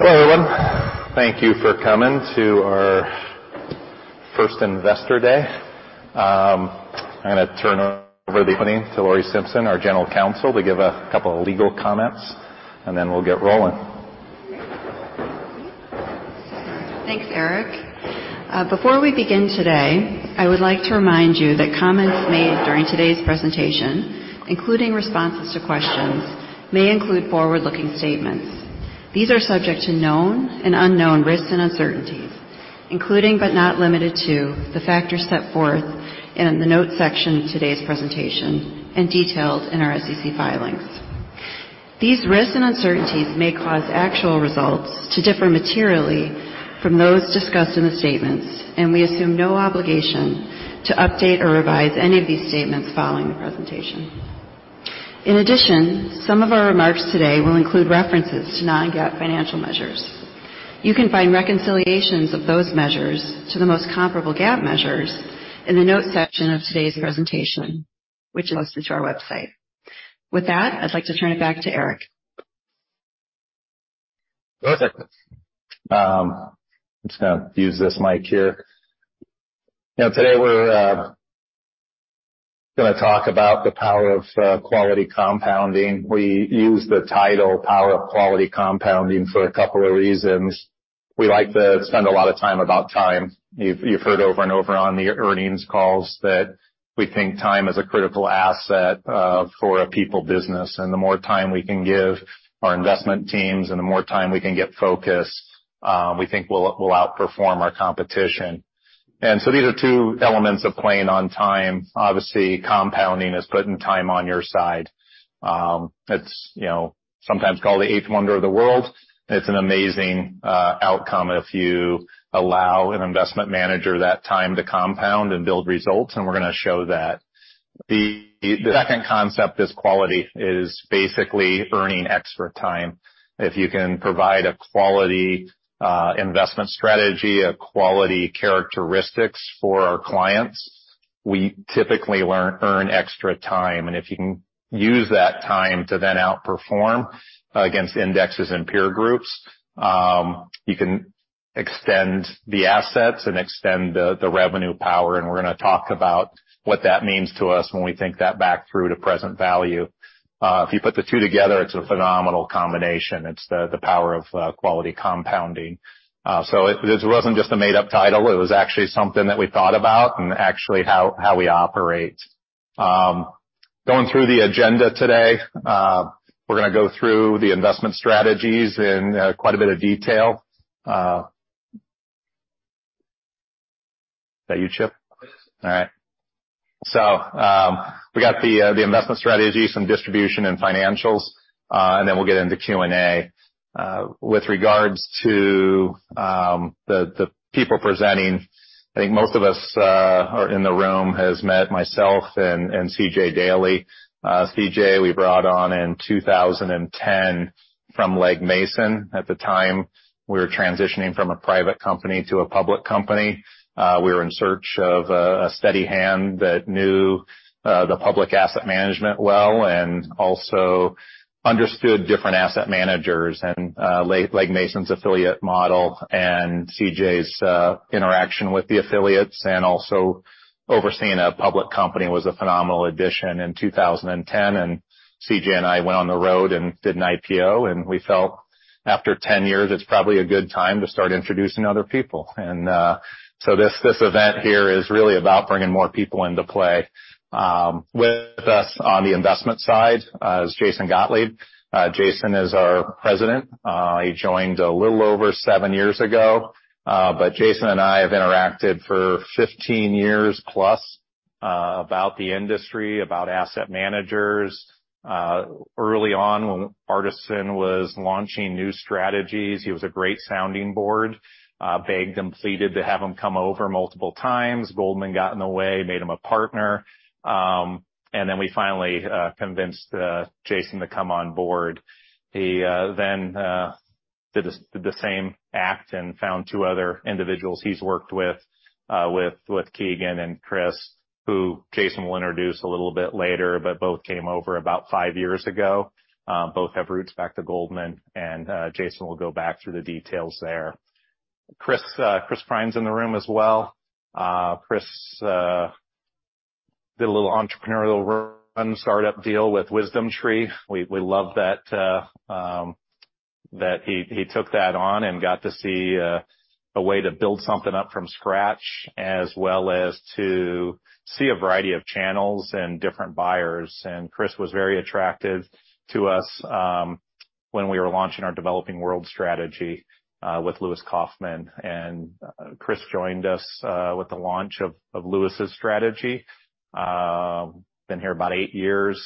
Hello, everyone. Thank you for coming to our first Investor Day. I'm gonna turn over the opening to Laurie Simpson, our General Counsel, to give a couple of legal comments, and then we'll get rolling. Thanks, Eric. Before we begin today, I would like to remind you that comments made during today's presentation, including responses to questions, may include forward-looking statements. These are subject to known and unknown risks and uncertainties, including, but not limited to, the factors set forth in the Notes section of today's presentation and detailed in our SEC filings. These risks and uncertainties may cause actual results to differ materially from those discussed in the statements, and we assume no obligation to update or revise any of these statements following the presentation. In addition, some of our remarks today will include references to non-GAAP financial measures. You can find reconciliations of those measures to the most comparable GAAP measures in the Notes section of today's presentation, which is posted to our website. With that, I'd like to turn it back to Eric. Perfect. I'm just gonna use this mic here. Now, today we're gonna talk about the power of quality compounding. We use the title Power of Quality Compounding for a couple of reasons. We like to spend a lot of time about time. You've heard over and over on the earnings calls that we think time is a critical asset for a people business, and the more time we can give our investment teams and the more time we can get focused, we think we'll outperform our competition. So these are two elements of playing on time. Obviously, compounding is putting time on your side. It's, you know, sometimes called the eighth wonder of the world. It's an amazing outcome if you allow an investment manager that time to compound and build results, and we're gonna show that. The second concept is quality is basically earning extra time. If you can provide a quality investment strategy, a quality characteristics for our clients, we typically earn extra time. And if you can use that time to then outperform against indexes and peer groups, you can extend the assets and extend the revenue power. And we're gonna talk about what that means to us when we think that back through to present value. If you put the two together, it's a phenomenal combination. It's the power of quality compounding. So it this wasn't just a made-up title. It was actually something that we thought about and actually how we operate. Going through the agenda today, we're gonna go through the investment strategies in quite a bit of detail. That you, Chip? Yes. All right. So, we got the investment strategies from distribution and financials, and then we'll get into Q&A. With regards to the people presenting, I think most of us are in the room has met myself and C.J. Daley. C.J., we brought on in 2010 from Legg Mason. At the time, we were transitioning from a private company to a public company. We were in search of a steady hand that knew the public asset management well, and also understood different asset managers and Legg Mason's affiliate model, and C.J.'s interaction with the affiliates, and also overseeing a public company was a phenomenal addition in 2010. And C.J. and I went on the road and did an IPO, and we felt after 10 years, it's probably a good time to start introducing other people. So this event here is really about bringing more people into play. With us on the investment side is Jason Gottlieb. Jason is our President. He joined a little over seven years ago, but Jason and I have interacted for 15 years plus, about the industry, about asset managers. Early on, when Artisan was launching new strategies, he was a great sounding board. Begged him, pleaded to have him come over multiple times. Goldman got in the way, made him a partner, and then we finally convinced Jason to come on board. He then did the same act and found two other individuals he's worked with, with Keegan and Chris, who Jason will introduce a little bit later, but both came over about five years ago. Both have roots back to Goldman, and Jason will go back through the details there. Chris Krein's in the room as well. Chris did a little entrepreneurial run, startup deal with WisdomTree. We love that he took that on and got to see a way to build something up from scratch, as well as to see a variety of channels and different buyers. And Chris was very attractive to us when we were launching our Developing World strategy with Lewis Kaufman, and Chris joined us with the launch of Lewis' strategy. Been here about eight years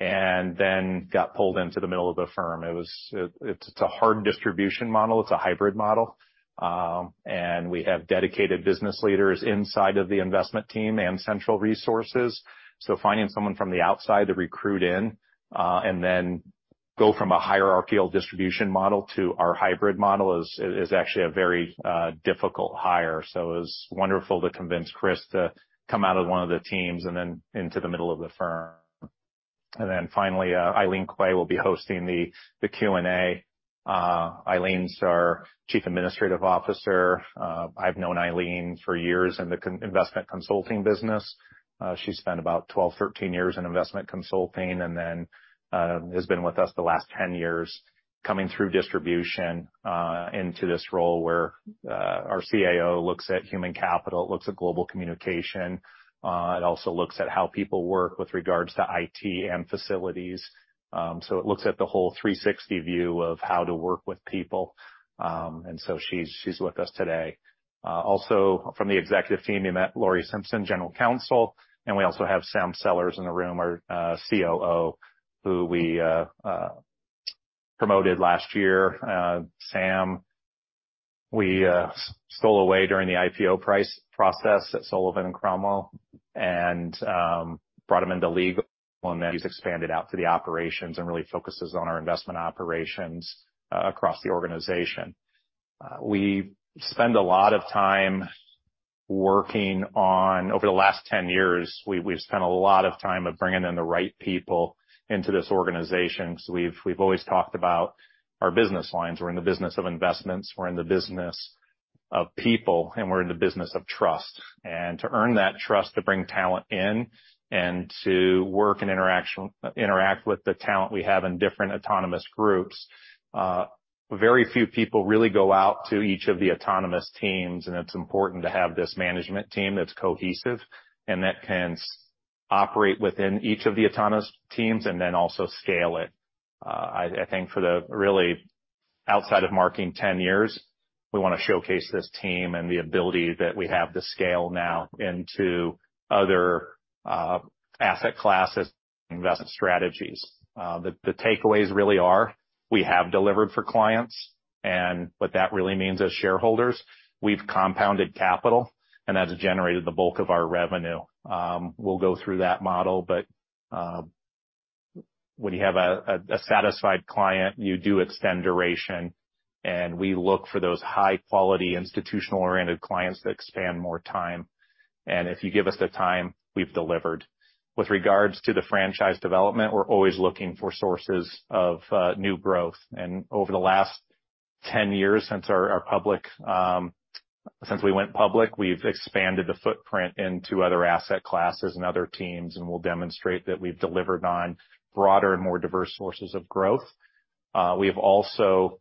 and then got pulled into the middle of the firm. It's a hard distribution model. It's a hybrid model. And we have dedicated business leaders inside of the investment team and central resources. So finding someone from the outside to recruit in, and then go from a hierarchical distribution model to our hybrid model is actually a very difficult hire. So it was wonderful to convince Chris to come out of one of the teams and then into the middle of the firm. And then finally, Eileen Kwei will be hosting the Q&A. Eileen's our Chief Administrative Officer. I've known Eileen for years in the investment consulting business. She spent about 12, 13 years in investment consulting, and then has been with us the last 10 years, coming through distribution into this role, where our CAO looks at human capital, it looks at global communication, it also looks at how people work with regards to IT and facilities. So it looks at the whole 360 view of how to work with people. And so she's with us today. Also from the executive team, you met Laurie Simpson, General Counsel, and we also have Sam Sellers in the room, our COO, who we promoted last year. Sam, we stole away during the IPO pricing process at Sullivan & Cromwell, and brought him into league, and then he's expanded out to the operations and really focuses on our investment operations across the organization. Over the last 10 years, we've spent a lot of time of bringing in the right people into this organization. So we've always talked about our business lines. We're in the business of investments, we're in the business of people, and we're in the business of trust. And to earn that trust, to bring talent in, and to work and interact with the talent we have in different autonomous groups, very few people really go out to each of the autonomous teams, and it's important to have this management team that's cohesive and that can operate within each of the autonomous teams, and then also scale it. I think for the really outside of marking 10 years, we wanna showcase this team and the ability that we have to scale now into other asset classes, investment strategies. The takeaways really are, we have delivered for clients, and what that really means as shareholders, we've compounded capital, and that's generated the bulk of our revenue. We'll go through that model, but when you have a satisfied client, you do extend duration, and we look for those high quality institutional-oriented clients that expand more time. And if you give us the time, we've delivered. With regards to the franchise development, we're always looking for sources of new growth, and over the last 10 years, since we went public, we've expanded the footprint into other asset classes and other teams, and we'll demonstrate that we've delivered on broader and more diverse sources of growth. We've also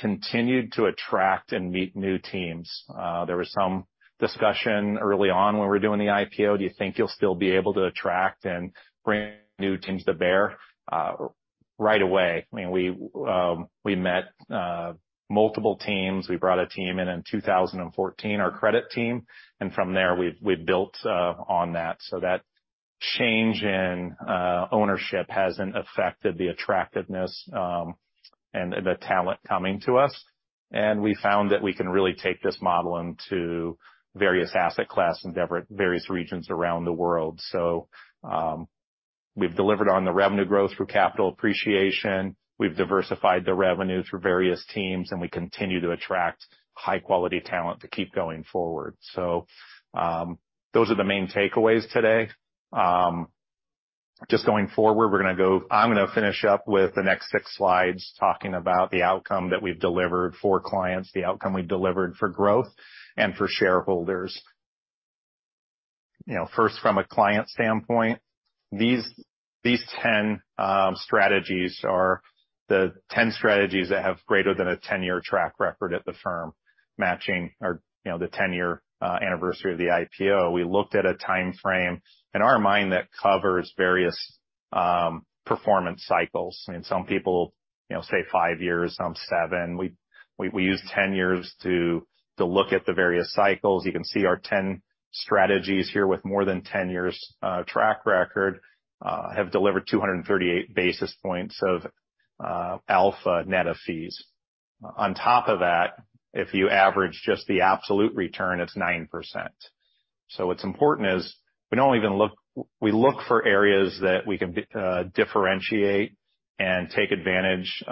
continued to attract and meet new teams. There was some discussion early on when we were doing the IPO. Do you think you'll still be able to attract and bring new teams to bear? Right away, I mean, we met multiple teams. We brought a team in in 2014, our Credit Team, and from there, we've built on that. So that change in ownership hasn't affected the attractiveness and the talent coming to us. We found that we can really take this model into various asset classes in various regions around the world. So, we've delivered on the revenue growth through capital appreciation. We've diversified the revenue through various teams, and we continue to attract high quality talent to keep going forward. So, those are the main takeaways today. Just going forward, we're gonna go. I'm gonna finish up with the next 6 slides, talking about the outcome that we've delivered for clients, the outcome we've delivered for growth and for shareholders. You know, first, from a client standpoint, these 10 strategies are the 10 strategies that have greater than a 10-year track record at the firm, matching or, you know, the 10-year anniversary of the IPO. We looked at a time frame, in our mind, that covers various performance cycles. I mean, some people, you know, say 5 years, some 7. We used 10 years to look at the various cycles. You can see our 10 strategies here with more than 10 years' track record have delivered 238 basis points of alpha net of fees. On top of that, if you average just the absolute return, it's 9%. So what's important is we don't even look. We look for areas that we can differentiate and take advantage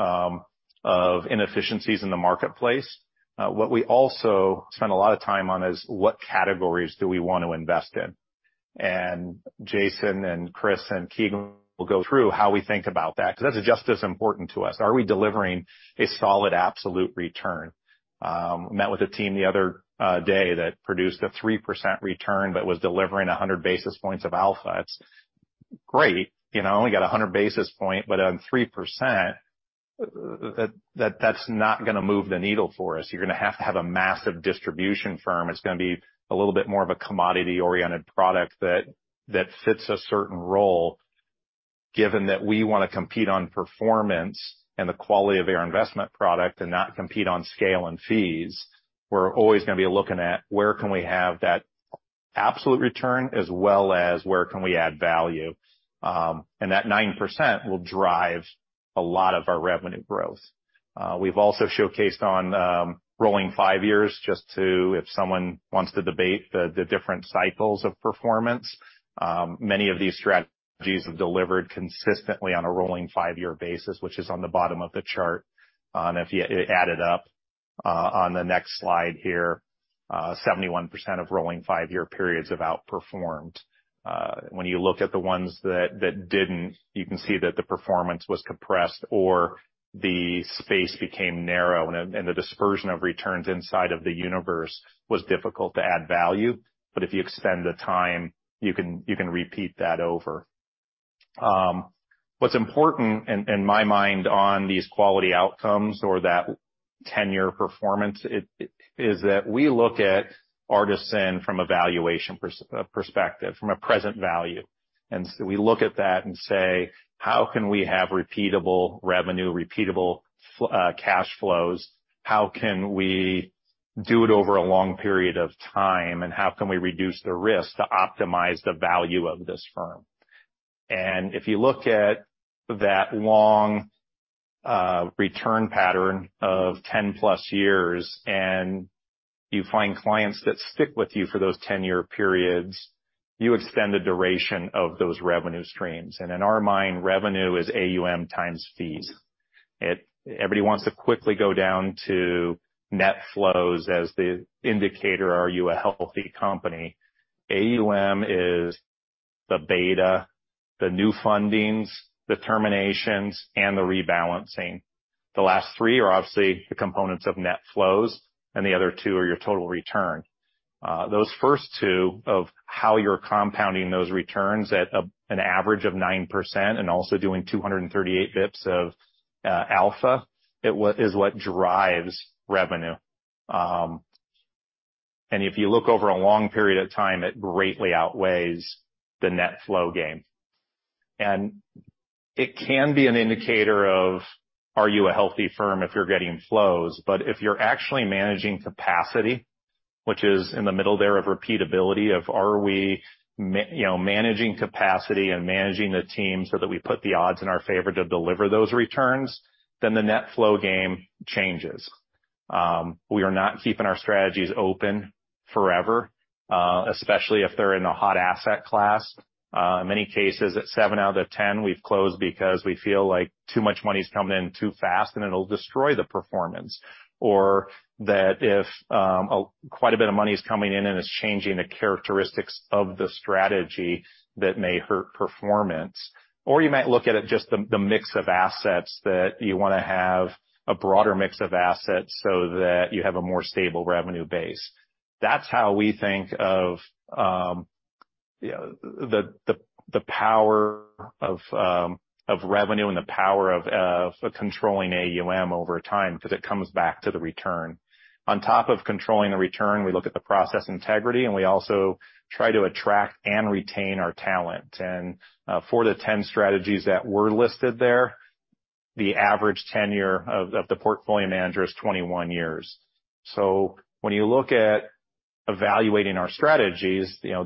of inefficiencies in the marketplace. What we also spend a lot of time on is what categories do we want to invest in? And Jason and Chris, and Keegan will go through how we think about that, because that's just as important to us. Are we delivering a solid, absolute return? Met with a team the other day that produced a 3% return, but was delivering 100 basis points of alpha. It's great, you know, only got 100 basis point, but on 3%, that that's not gonna move the needle for us. You're gonna have to have a massive distribution firm. It's gonna be a little bit more of a commodity-oriented product that fits a certain role. Given that we wanna compete on performance and the quality of our investment product and not compete on scale and fees, we're always gonna be looking at where can we have that absolute return, as well as where can we add value? And that 9% will drive a lot of our revenue growth. We've also showcased on rolling five years just to, if someone wants to debate the different cycles of performance. Many of these strategies have delivered consistently on a rolling five-year basis, which is on the bottom of the chart, and if you add it up on the next slide here, 71% of rolling five-year periods have outperformed. When you look at the ones that didn't, you can see that the performance was compressed or the space became narrow, and the dispersion of returns inside of the universe was difficult to add value. But if you extend the time, you can repeat that over. What's important in my mind on these quality outcomes or that ten-year performance is that we look at Artisan from a valuation perspective, from a present value. So we look at that and say: How can we have repeatable revenue, repeatable cash flows? How can we do it over a long period of time, and how can we reduce the risk to optimize the value of this firm? If you look at that long return pattern of 10+ years, and you find clients that stick with you for those 10-year periods, you extend the duration of those revenue streams. In our mind, revenue is AUM times fees. Everybody wants to quickly go down to net flows as the indicator, are you a healthy company? AUM is the beta, the new fundings, the terminations, and the rebalancing. The last three are obviously the components of net flows, and the other two are your total return. Those first two of how you're compounding those returns at an average of 9% and also doing 238 BPS of alpha is what drives revenue. And if you look over a long period of time, it greatly outweighs the net flow game. And it can be an indicator of, are you a healthy firm if you're getting flows? But if you're actually managing capacity, which is in the middle there of repeatability, of are we you know, managing capacity and managing the team so that we put the odds in our favor to deliver those returns, then the net flow game changes. We are not keeping our strategies open forever, especially if they're in a hot asset class. In many cases, at seven out of ten, we've closed because we feel like too much money's coming in too fast, and it'll destroy the performance. Or that if a quite a bit of money is coming in, and it's changing the characteristics of the strategy, that may hurt performance. Or you might look at it, just the mix of assets, that you wanna have a broader mix of assets so that you have a more stable revenue base. That's how we think of you know the power of revenue and the power of controlling AUM over time, because it comes back to the return. On top of controlling the return, we look at the process integrity, and we also try to attract and retain our talent. And, four to 10 strategies that were listed there, the average tenure of the portfolio manager is 21 years. So when you look at evaluating our strategies, you know,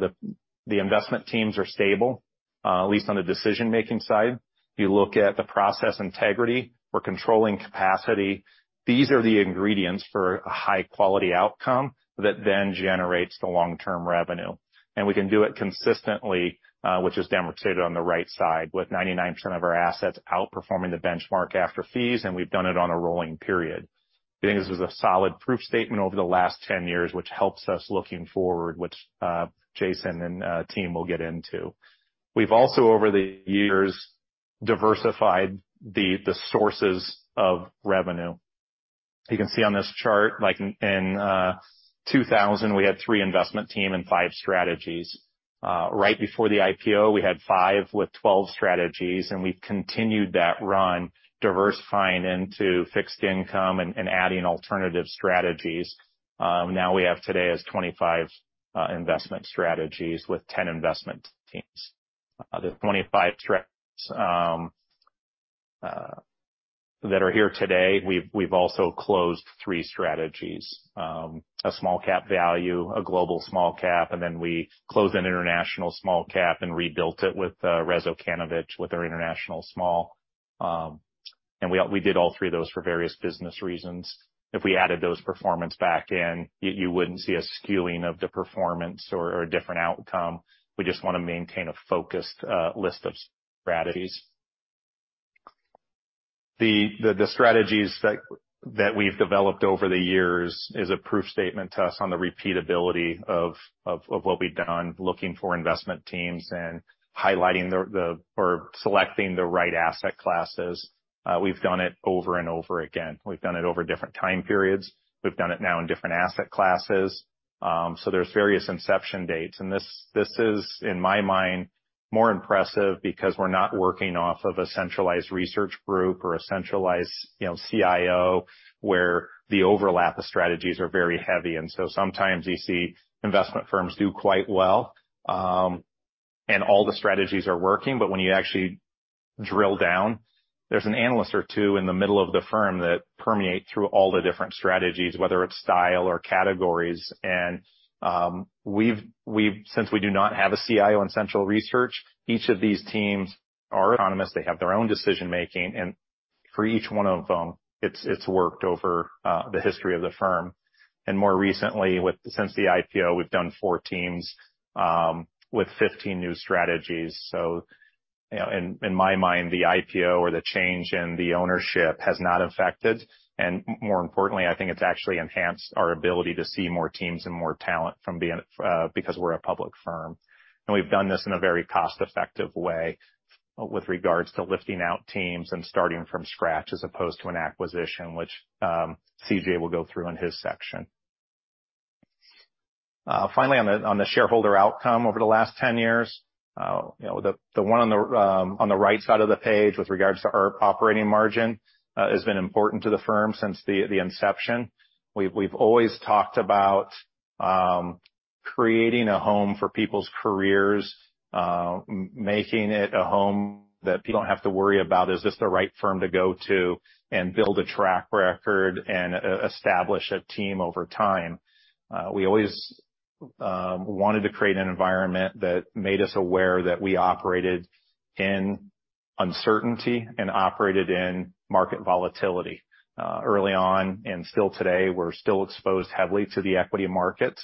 the investment teams are stable, at least on the decision-making side. You look at the process integrity, we're controlling capacity. These are the ingredients for a high quality outcome that then generates the long-term revenue. And we can do it consistently, which is demonstrated on the right side, with 99% of our assets outperforming the benchmark after fees, and we've done it on a rolling period. I think this is a solid proof statement over the last 10 years, which helps us looking forward, which, Jason and, team will get into. We've also, over the years, diversified the sources of revenue. You can see on this chart, like in 2000, we had 3 investment team and 5 strategies. Right before the IPO, we had 5 with 12 strategies, and we've continued that run, diversifying into fixed income and adding alternative strategies. Now we have today as 25 investment strategies with 10 investment teams. The 25 that are here today, we've also closed 3 strategies. A Small Cap Value, a Global Small Cap, and then we closed an International Small Cap and rebuilt it with Rezo Kanovich, with our international small. And we did all three of those for various business reasons. If we added those performance back in, you wouldn't see a skewing of the performance or a different outcome. We just wanna maintain a focused list of strategies. The strategies that we've developed over the years is a proof statement to us on the repeatability of what we've done, looking for investment teams and highlighting the or selecting the right asset classes. We've done it over and over again. We've done it over different time periods. We've done it now in different asset classes. So there's various inception dates. And this is, in my mind, more impressive because we're not working off of a centralized research group or a centralized, you know, CIO, where the overlap of strategies are very heavy. And so sometimes you see investment firms do quite well, and all the strategies are working, but when you actually drill down, there's an analyst or two in the middle of the firm that permeate through all the different strategies, whether it's style or categories. We've since we do not have a CIO in central research, each of these teams are economists. They have their own decision making, and for each one of them, it's, it's worked over the history of the firm, and more recently, since the IPO, we've done four teams with 15 new strategies. So, you know, in my mind, the IPO or the change in the ownership has not affected, and more importantly, I think it's actually enhanced our ability to see more teams and more talent from being because we're a public firm. And we've done this in a very cost-effective way with regards to lifting out teams and starting from scratch, as opposed to an acquisition, which C.J. will go through in his section. Finally, on the shareholder outcome over the last 10 years, you know, the one on the right side of the page with regards to our operating margin, has been important to the firm since the inception. We've always talked about creating a home for people's careers, making it a home that people don't have to worry about, "Is this the right firm to go to and build a track record and establish a team over time?" We always wanted to create an environment that made us aware that we operated in uncertainty and operated in market volatility. Early on, and still today, we're still exposed heavily to the equity markets,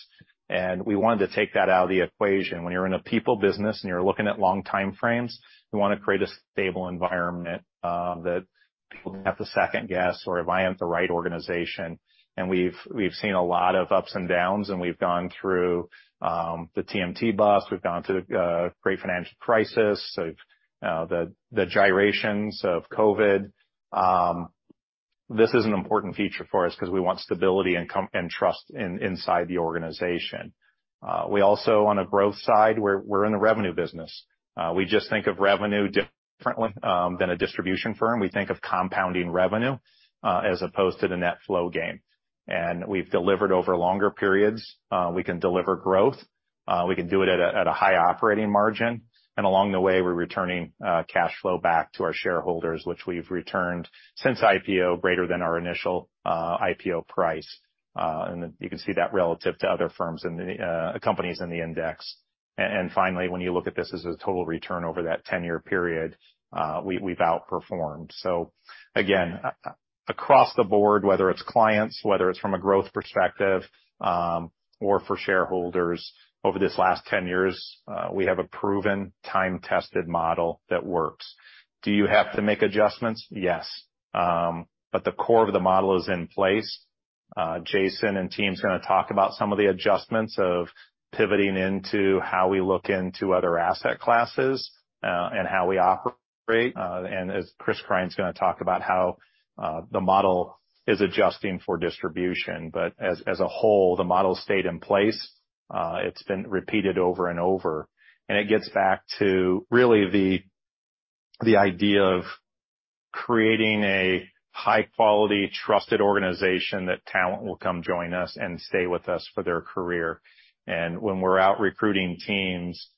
and we wanted to take that out of the equation. When you're in a people business, and you're looking at long time frames, you want to create a stable environment that people don't have to second guess, or "If I am the right organization." And we've seen a lot of ups and downs, and we've gone through the TMT bust, we've gone through the great financial crisis, so the gyrations of COVID. This is an important feature for us because we want stability and continuity and trust inside the organization. We also, on a growth side, we're in the revenue business. We just think of revenue differently than a distribution firm. We think of compounding revenue as opposed to the net flow game. And we've delivered over longer periods. We can deliver growth. We can do it at a high operating margin, and along the way, we're returning cash flow back to our shareholders, which we've returned since IPO, greater than our initial IPO price. And you can see that relative to other firms in the companies in the index. And finally, when you look at this as a total return over that ten-year period, we've outperformed. So again, across the board, whether it's clients, whether it's from a growth perspective, or for shareholders, over this last ten years, we have a proven time-tested model that works. Do you have to make adjustments? Yes. But the core of the model is in place. Jason and team's gonna talk about some of the adjustments of pivoting into how we look into other asset classes, and how we operate. And as Chris Krein's gonna talk about how, the model is adjusting for distribution. But as a whole, the model stayed in place. It's been repeated over and over, and it gets back to really the idea of creating a high quality, trusted organization that talent will come join us and stay with us for their career. And when we're out recruiting teams,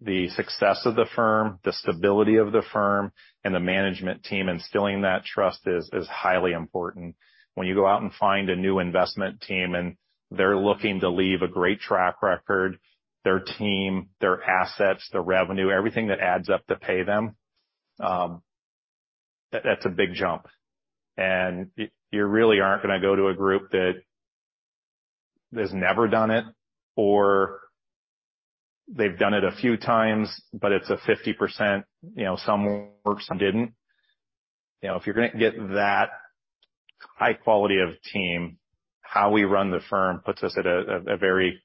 the success of the firm, the stability of the firm, and the management team instilling that trust is highly important. When you go out and find a new investment team, and they're looking to leave a great track record, their team, their assets, their revenue, everything that adds up to pay them, that's a big jump. And you really aren't going to go to a group that, that's never done it, or they've done it a few times, but it's a 50%, you know, some worked, some didn't. You know, if you're gonna get that high quality of team, how we run the firm puts us at a very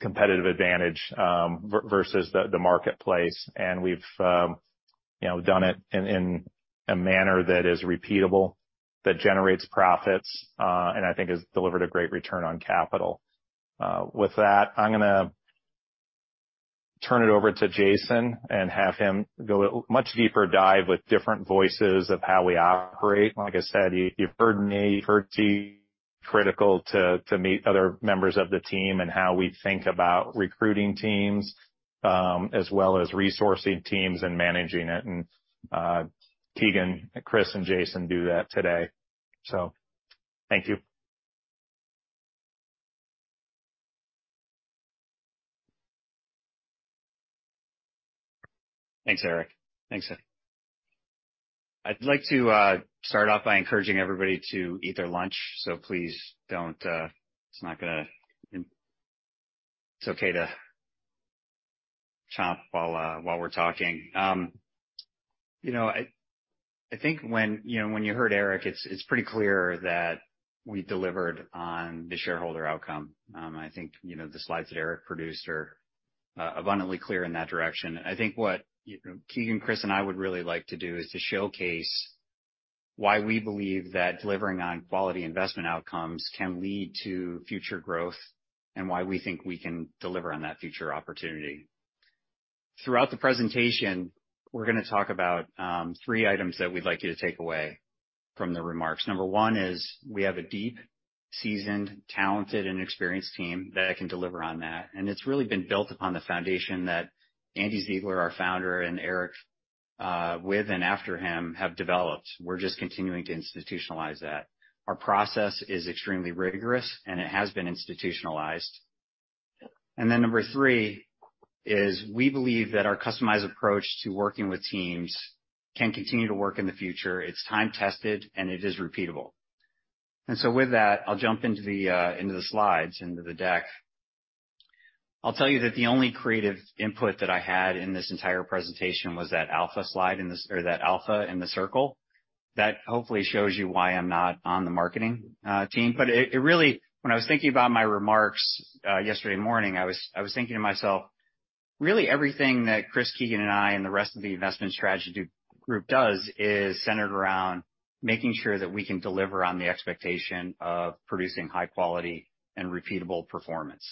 competitive advantage, versus the marketplace. And we've, you know, done it in a manner that is repeatable, that generates profits, and I think has delivered a great return on capital. With that, I'm gonna turn it over to Jason and have him go much deeper dive with different voices of how we operate. Like I said, you've, you've heard me, you've heard Keegan. Critical to, to meet other members of the team and how we think about recruiting teams, as well as resourcing teams and managing it. Keegan, Chris and Jason do that today. So thank you. Thanks, Eric. Thanks. I'd like to start off by encouraging everybody to eat their lunch, so please don't... It's okay to chomp while we're talking. You know, I think when, you know, when you heard Eric, it's pretty clear that we delivered on the shareholder outcome. I think, you know, the slides that Eric produced are abundantly clear in that direction. I think what, you know, Keegan, Chris, and I would really like to do is to showcase why we believe that delivering on quality investment outcomes can lead to future growth, and why we think we can deliver on that future opportunity. Throughout the presentation, we're gonna talk about three items that we'd like you to take away from the remarks. Number one is we have a deep, seasoned, talented, and experienced team that can deliver on that, and it's really been built upon the foundation that Andy Ziegler, our founder, and Eric, with and after him, have developed. We're just continuing to institutionalize that. Our process is extremely rigorous, and it has been institutionalized. And then number three is, we believe that our customized approach to working with teams can continue to work in the future. It's time-tested, and it is repeatable. And so with that, I'll jump into the slides, into the deck. I'll tell you that the only creative input that I had in this entire presentation was that alpha slide in this - or that alpha in the circle. That hopefully shows you why I'm not on the marketing team. But it really, when I was thinking about my remarks, yesterday morning, I was thinking to myself, really everything that Chris Krein and I and the rest of the Investment Strategy Group does, is centered around making sure that we can deliver on the expectation of producing high quality and repeatable performance.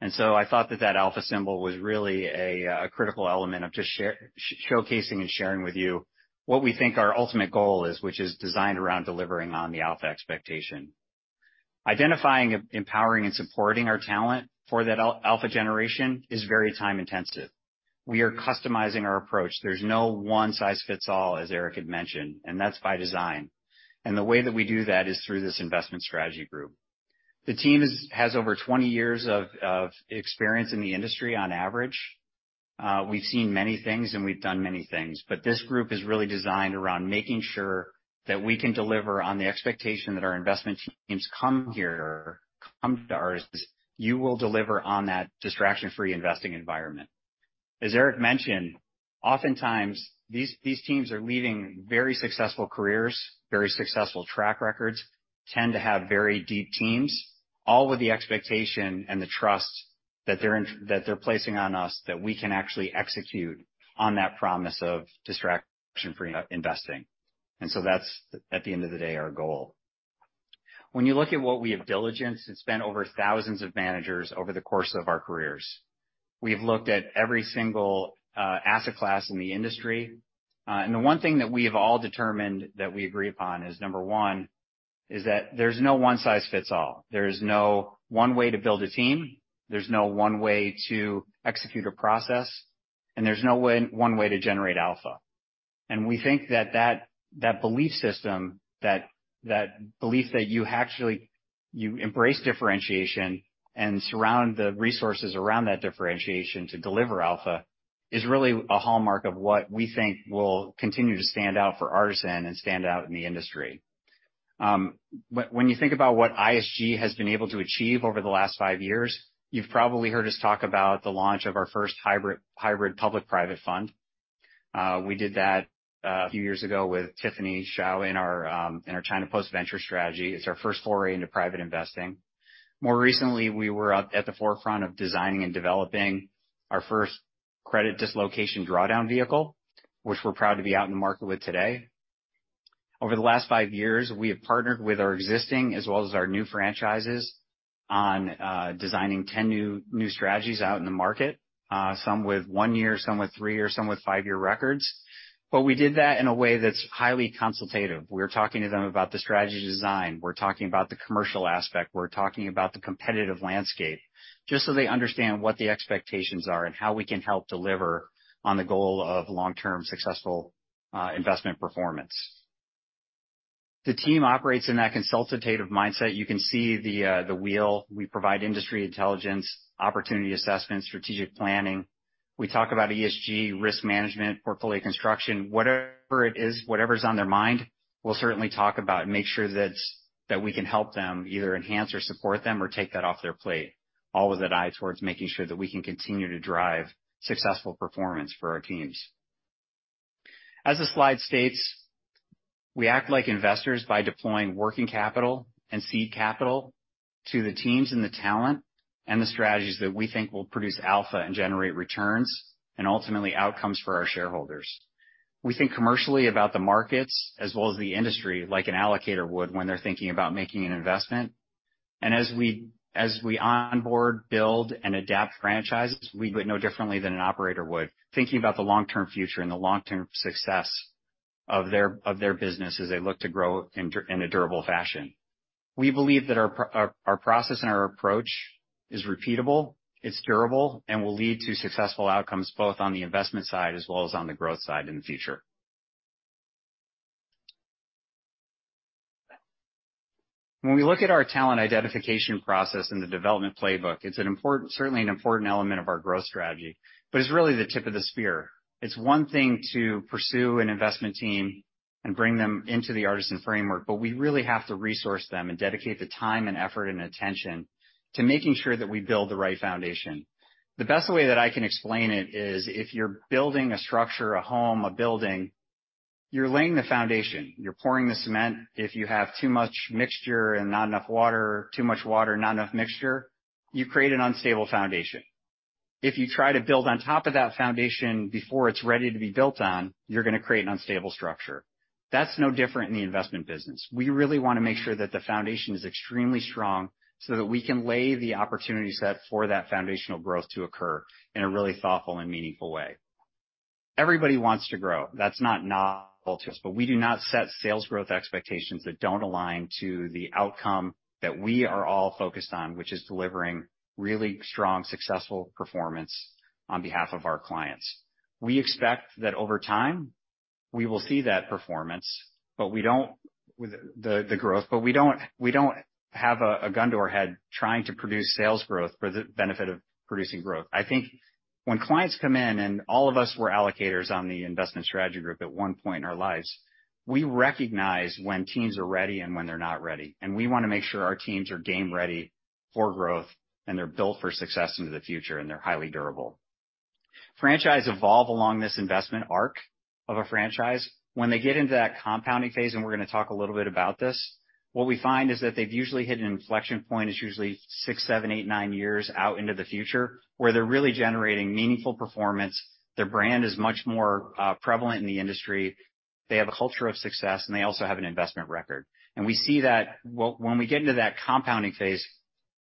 And so I thought that that alpha symbol was really a critical element of just showcasing and sharing with you what we think our ultimate goal is, which is designed around delivering on the alpha expectation. Identifying, empowering, and supporting our talent for that alpha generation is very time intensive. We are customizing our approach. There's no one size fits all, as Eric had mentioned, and that's by design. And the way that we do that is through this Investment Strategy Group. The team is, has over 20 years of experience in the industry on average. We've seen many things, and we've done many things, but this group is really designed around making sure that we can deliver on the expectation that our investment teams come here, come to ours, you will deliver on that distraction-free investing environment. As Eric mentioned, oftentimes, these teams are leading very successful careers, very successful track records, tend to have very deep teams, all with the expectation and the trust that they're placing on us, that we can actually execute on that promise of distraction-free investing. And so that's, at the end of the day, our goal. When you look at what we have diligenced and spent over thousands of managers over the course of our careers, we have looked at every single asset class in the industry. The one thing that we have all determined that we agree upon is, number one, is that there's no one size fits all. There's no one way to build a team, there's no one way to execute a process, and there's no one way to generate alpha. And we think that belief system, that belief that you actually embrace differentiation and surround the resources around that differentiation to deliver alpha, is really a hallmark of what we think will continue to stand out for Artisan and stand out in the industry. When you think about what ISG has been able to achieve over the last five years, you've probably heard us talk about the launch of our first hybrid public-private fund. We did that a few years ago with Tiffany Shao in our China Post-Venture strategy. It's our first foray into private investing. More recently, we were up at the forefront of designing and developing our first Credit Dislocation drawdown vehicle, which we're proud to be out in the market with today. Over the last five years, we have partnered with our existing, as well as our new franchises, on designing 10 new strategies out in the market, some with one year, some with three year, some with five-year records. But we did that in a way that's highly consultative. We're talking to them about the strategy design, we're talking about the commercial aspect, we're talking about the competitive landscape, just so they understand what the expectations are and how we can help deliver on the goal of long-term, successful investment performance. The team operates in that consultative mindset. You can see the wheel. We provide industry intelligence, opportunity assessments, strategic planning. We talk about ESG, risk management, portfolio construction. Whatever it is, whatever's on their mind, we'll certainly talk about and make sure that we can help them either enhance or support them or take that off their plate, all with an eye towards making sure that we can continue to drive successful performance for our teams. As the slide states, we act like investors by deploying working capital and seed capital to the teams and the talent, and the strategies that we think will produce alpha and generate returns, and ultimately outcomes for our shareholders. We think commercially about the markets as well as the industry, like an allocator would when they're thinking about making an investment. As we onboard, build, and adapt franchises, we do it no differently than an operator would, thinking about the long-term future and the long-term success of their business as they look to grow in a durable fashion. We believe that our process and our approach is repeatable, it's durable, and will lead to successful outcomes, both on the investment side as well as on the growth side in the future. When we look at our talent identification process in the development playbook, it's an important, certainly an important element of our growth strategy, but it's really the tip of the spear. It's one thing to pursue an investment team and bring them into the Artisan framework, but we really have to resource them and dedicate the time and effort and attention to making sure that we build the right foundation. The best way that I can explain it is, if you're building a structure, a home, a building, you're laying the foundation, you're pouring the cement. If you have too much mixture and not enough water, too much water and not enough mixture, you create an unstable foundation. If you try to build on top of that foundation before it's ready to be built on, you're gonna create an unstable structure. That's no different in the investment business. We really wanna make sure that the foundation is extremely strong, so that we can lay the opportunity set for that foundational growth to occur in a really thoughtful and meaningful way. Everybody wants to grow. That's not novel to us, but we do not set sales growth expectations that don't align to the outcome that we are all focused on, which is delivering really strong, successful performance on behalf of our clients. We expect that over time we will see that performance, but we don't have a gun to our head trying to produce sales growth for the benefit of producing growth. I think when clients come in, and all of us were allocators on the Investment Strategy Group at one point in our lives, we recognize when teams are ready and when they're not ready, and we wanna make sure our teams are game ready for growth, and they're built for success into the future, and they're highly durable. Franchises evolve along this investment arc of a franchise. When they get into that compounding phase, and we're gonna talk a little bit about this, what we find is that they've usually hit an inflection point. It's usually 6, 7, 8, 9 years out into the future, where they're really generating meaningful performance. Their brand is much more prevalent in the industry. They have a culture of success, and they also have an investment record. And we see that when we get into that compounding phase,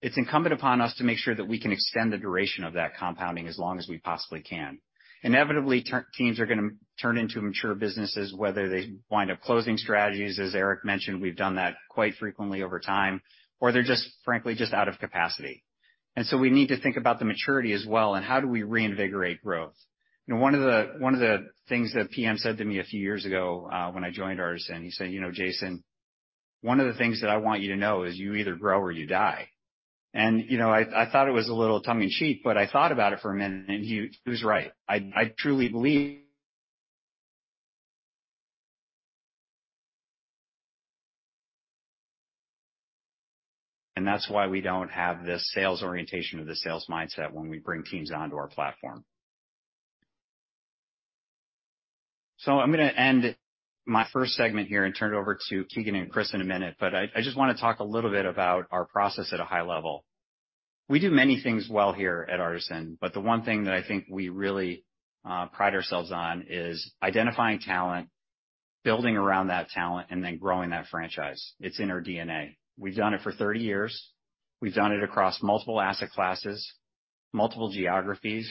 it's incumbent upon us to make sure that we can extend the duration of that compounding as long as we possibly can. Inevitably, teams are gonna turn into mature businesses, whether they wind up closing strategies. As Eric mentioned, we've done that quite frequently over time, or they're just, frankly, just out of capacity. And so we need to think about the maturity as well, and how do we reinvigorate growth? You know, one of the things that PM said to me a few years ago, when I joined Artisan, he said, "You know, Jason, one of the things that I want you to know is you either grow or you die." And, you know, I thought it was a little tongue-in-cheek, but I thought about it for a minute, and he was right. I truly believe... And that's why we don't have this sales orientation or the sales mindset when we bring teams onto our platform. So I'm gonna end my first segment here and turn it over to Keegan and Chris in a minute, but I just wanna talk a little bit about our process at a high level. We do many things well here at Artisan, but the one thing that I think we really pride ourselves on is identifying talent, building around that talent, and then growing that franchise. It's in our DNA. We've done it for 30 years. We've done it across multiple asset classes, multiple geographies,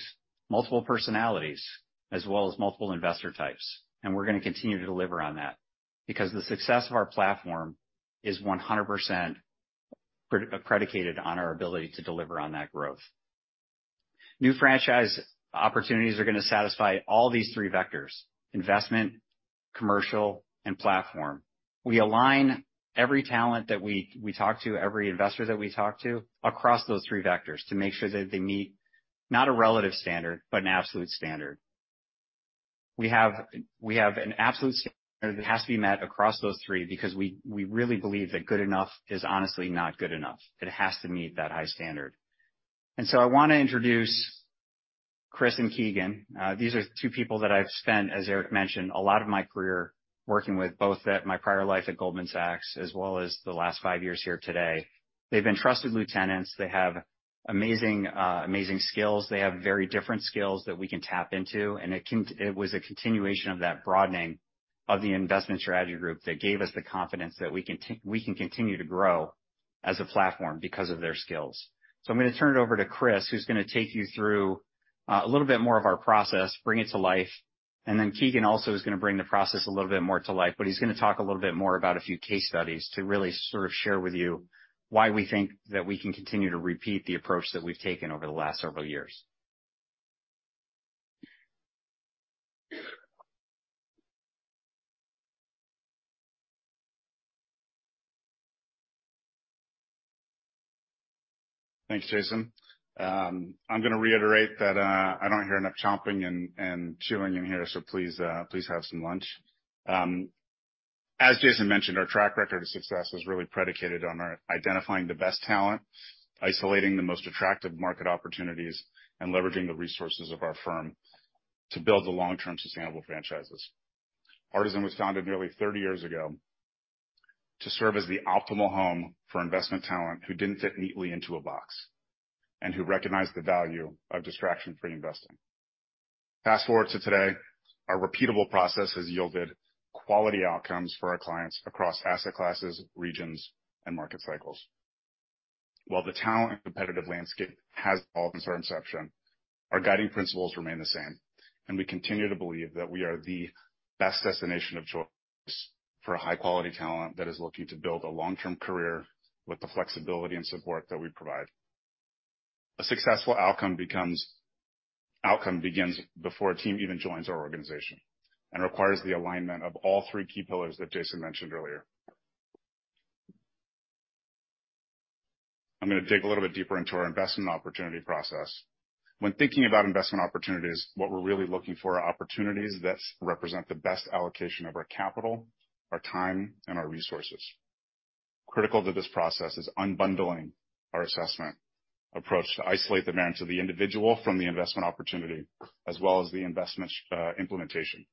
multiple personalities, as well as multiple investor types. And we're gonna continue to deliver on that, because the success of our platform is 100% predicated on our ability to deliver on that growth. New franchise opportunities are gonna satisfy all these three vectors: investment, commercial, and platform. We align every talent that we talk to, every investor that we talk to, across those three vectors to make sure that they meet not a relative standard, but an absolute standard. We have, we have an absolute standard that has to be met across those three because we, we really believe that good enough is honestly not good enough. It has to meet that high standard. And so I wanna introduce Chris and Keegan. These are two people that I've spent, as Eric mentioned, a lot of my career working with, both at my prior life at Goldman Sachs as well as the last 5 years here today. They've been trusted lieutenants. They have amazing, amazing skills. They have very different skills that we can tap into, and it was a continuation of that broadening of the Investment Strategy Group that gave us the confidence that we can continue to grow as a platform because of their skills. So I'm gonna turn it over to Chris, who's gonna take you through a little bit more of our process, bring it to life, and then Keegan also is gonna bring the process a little bit more to life, but he's gonna talk a little bit more about a few case studies to really sort of share with you why we think that we can continue to repeat the approach that we've taken over the last several years. Thanks, Jason. I'm gonna reiterate that, I don't hear enough chomping and chewing in here, so please, please have some lunch. As Jason mentioned, our track record of success is really predicated on our identifying the best talent, isolating the most attractive market opportunities, and leveraging the resources of our firm to build the long-term sustainable franchises. Artisan was founded nearly 30 years ago to serve as the optimal home for investment talent who didn't fit neatly into a box, and who recognized the value of distraction-free investing. Fast forward to today, our repeatable process has yielded quality outcomes for our clients across asset classes, regions, and market cycles. While the talent and competitive landscape has evolved since our inception, our guiding principles remain the same, and we continue to believe that we are the best destination of choice for a high quality talent that is looking to build a long-term career with the flexibility and support that we provide. A successful outcome begins before a team even joins our organization and requires the alignment of all three key pillars that Jason mentioned earlier. I'm gonna dig a little bit deeper into our investment opportunity process. When thinking about investment opportunities, what we're really looking for are opportunities that represent the best allocation of our capital, our time, and our resources. Critical to this process is unbundling our assessment approach to isolate the merits of the individual from the investment opportunity, as well as the investment implementation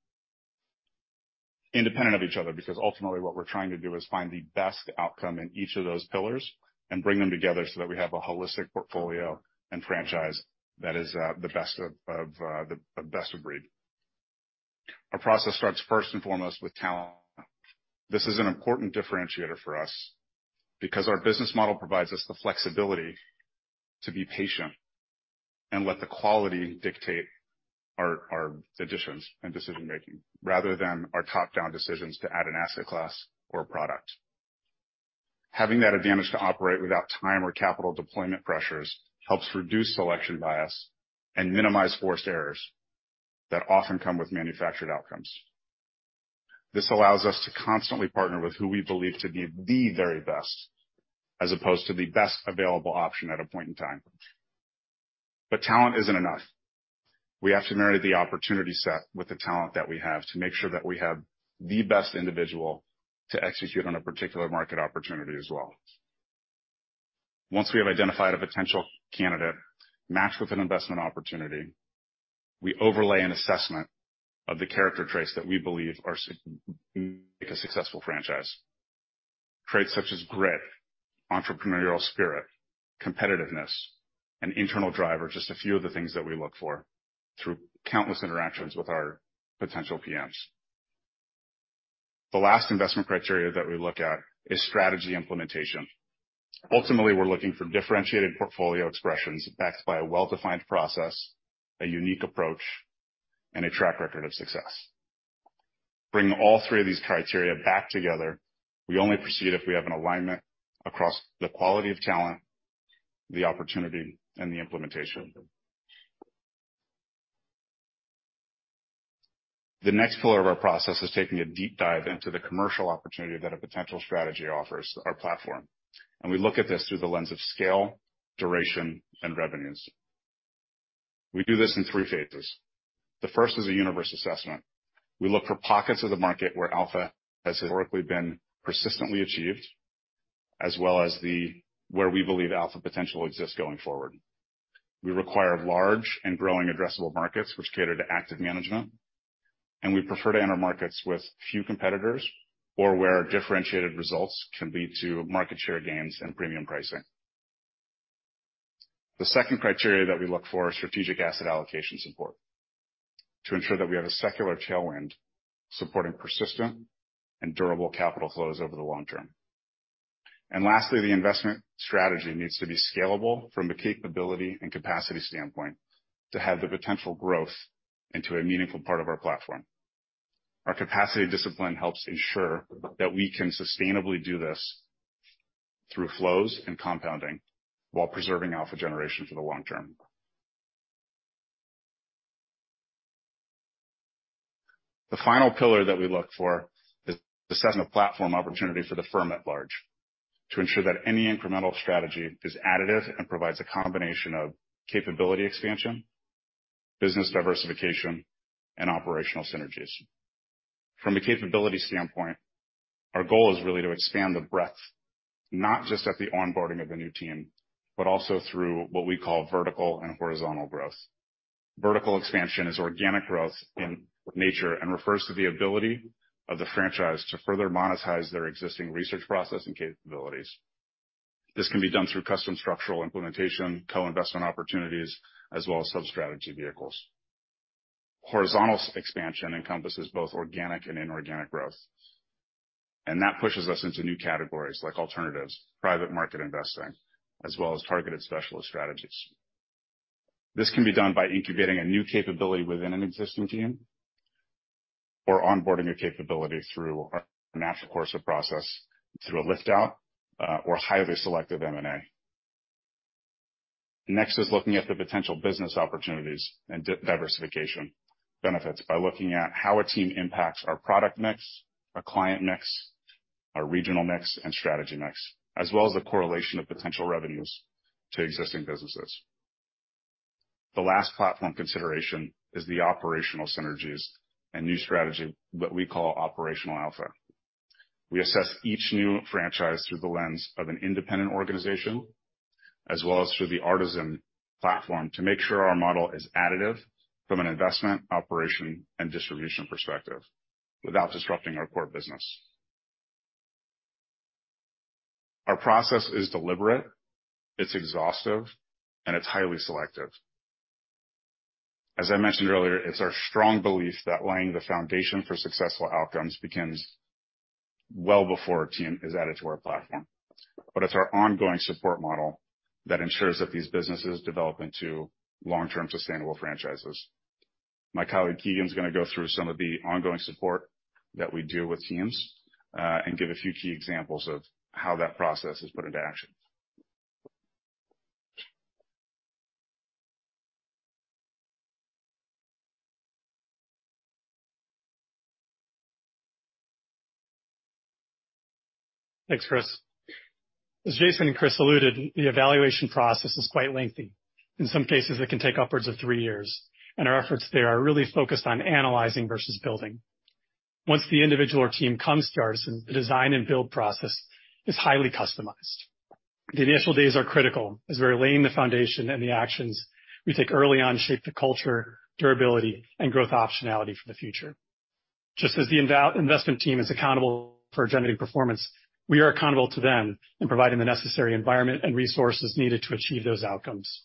independent of each other, because ultimately, what we're trying to do is find the best outcome in each of those pillars and bring them together so that we have a holistic portfolio and franchise that is the best of breed. Our process starts first and foremost with talent. This is an important differentiator for us because our business model provides us the flexibility to be patient and let the quality dictate our decisions and decision making, rather than our top-down decisions to add an asset class or a product. Having that advantage to operate without time or capital deployment pressures helps reduce selection bias and minimize forced errors that often come with manufactured outcomes. This allows us to constantly partner with who we believe to be the very best, as opposed to the best available option at a point in time. But talent isn't enough. We have to marry the opportunity set with the talent that we have to make sure that we have the best individual to execute on a particular market opportunity as well. Once we have identified a potential candidate matched with an investment opportunity, we overlay an assessment of the character traits that we believe are significant to make a successful franchise. Traits such as grit, entrepreneurial spirit, competitiveness, and internal drive are just a few of the things that we look for through countless interactions with our potential PMs. The last investment criteria that we look at is strategy implementation. Ultimately, we're looking for differentiated portfolio expressions backed by a well-defined process, a unique approach, and a track record of success. Bring all three of these criteria back together. We only proceed if we have an alignment across the quality of talent, the opportunity, and the implementation. The next pillar of our process is taking a deep dive into the commercial opportunity that a potential strategy offers our platform, and we look at this through the lens of scale, duration, and revenues. We do this in three phases. The first is a universe assessment. We look for pockets of the market where alpha has historically been persistently achieved, as well as where we believe alpha potential exists going forward. We require large and growing addressable markets which cater to active management, and we prefer to enter markets with few competitors or where differentiated results can lead to market share gains and premium pricing. The second criteria that we look for are strategic asset allocation support to ensure that we have a secular tailwind supporting persistent and durable capital flows over the long term. And lastly, the investment strategy needs to be scalable from a capability and capacity standpoint to have the potential growth into a meaningful part of our platform. Our capacity discipline helps ensure that we can sustainably do this through flows and compounding while preserving alpha generation for the long term. The final pillar that we look for is the second of platform opportunity for the firm at large, to ensure that any incremental strategy is additive and provides a combination of capability expansion, business diversification, and operational synergies. From a capability standpoint, our goal is really to expand the breadth, not just at the onboarding of the new team, but also through what we call vertical and horizontal growth. Vertical expansion is organic growth in nature and refers to the ability of the franchise to further monetize their existing research process and capabilities. This can be done through custom structural implementation, co-investment opportunities, as well as sub-strategy vehicles. Horizontal expansion encompasses both organic and inorganic growth, and that pushes us into new categories like alternatives, private market investing, as well as targeted specialist strategies. This can be done by incubating a new capability within an existing team or onboarding a capability through our natural course of process, through a lift out, or highly selective M&A. Next is looking at the potential business opportunities and diversification benefits by looking at how a team impacts our product mix, our client mix, our regional mix, and strategy mix, as well as the correlation of potential revenues to existing businesses. The last platform consideration is the operational synergies and new strategy that we call operational alpha. We assess each new franchise through the lens of an independent organization, as well as through the Artisan platform, to make sure our model is additive from an investment, operation, and distribution perspective, without disrupting our core business. Our process is deliberate, it's exhaustive, and it's highly selective. As I mentioned earlier, it's our strong belief that laying the foundation for successful outcomes begins well before a team is added to our platform. But it's our ongoing support model that ensures that these businesses develop into long-term, sustainable franchises. My colleague, Keegan, is gonna go through some of the ongoing support that we do with teams, and give a few key examples of how that process is put into action. Thanks, Chris. As Jason and Chris alluded, the evaluation process is quite lengthy. In some cases, it can take upwards of three years, and our efforts there are really focused on analyzing versus building. Once the individual or team comes to Artisan, the design and build process is highly customized. The initial days are critical, as we're laying the foundation and the actions we take early on to shape the culture, durability, and growth optionality for the future. Just as the investment team is accountable for generating performance, we are accountable to them in providing the necessary environment and resources needed to achieve those outcomes.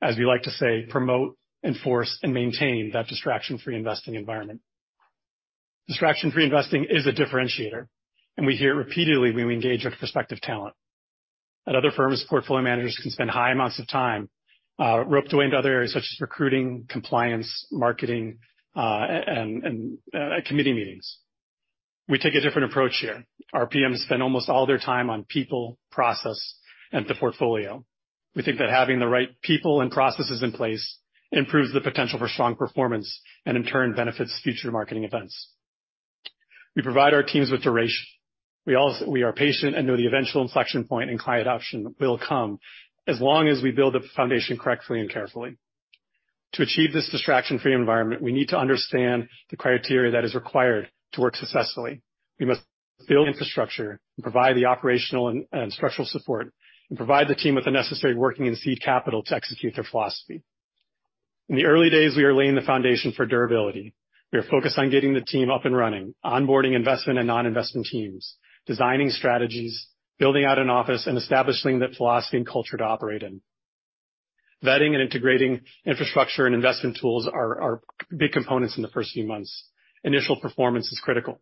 As we like to say, promote, enforce, and maintain that distraction-free investing environment. Distraction-free investing is a differentiator, and we hear it repeatedly when we engage with prospective talent. At other firms, portfolio managers can spend high amounts of time roped away into other areas such as recruiting, compliance, marketing, and committee meetings. We take a different approach here. Our PMs spend almost all their time on people, process, and the portfolio. We think that having the right people and processes in place improves the potential for strong performance and, in turn, benefits future marketing events. We provide our teams with duration. We also are patient and know the eventual inflection point in client adoption will come, as long as we build the foundation correctly and carefully. To achieve this distraction-free environment, we need to understand the criteria that is required to work successfully. We must build infrastructure and provide the operational and structural support, and provide the team with the necessary working and seed capital to execute their philosophy. In the early days, we are laying the foundation for durability. We are focused on getting the team up and running, onboarding investment and non-investment teams, designing strategies, building out an office, and establishing that philosophy and culture to operate in. Vetting and integrating infrastructure and investment tools are big components in the first few months. Initial performance is critical.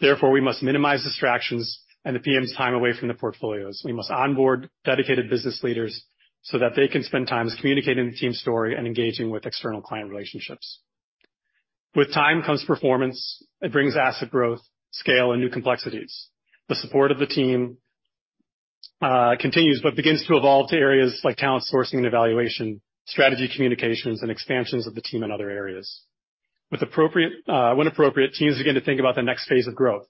Therefore, we must minimize distractions and the PM's time away from the portfolios. We must onboard dedicated business leaders so that they can spend time communicating the team's story and engaging with external client relationships. With time comes performance. It brings asset growth, scale, and new complexities. The support of the team continues, but begins to evolve to areas like talent sourcing and evaluation, strategy, communications, and expansions of the team in other areas. With appropriate, when appropriate, teams begin to think about the next phase of growth.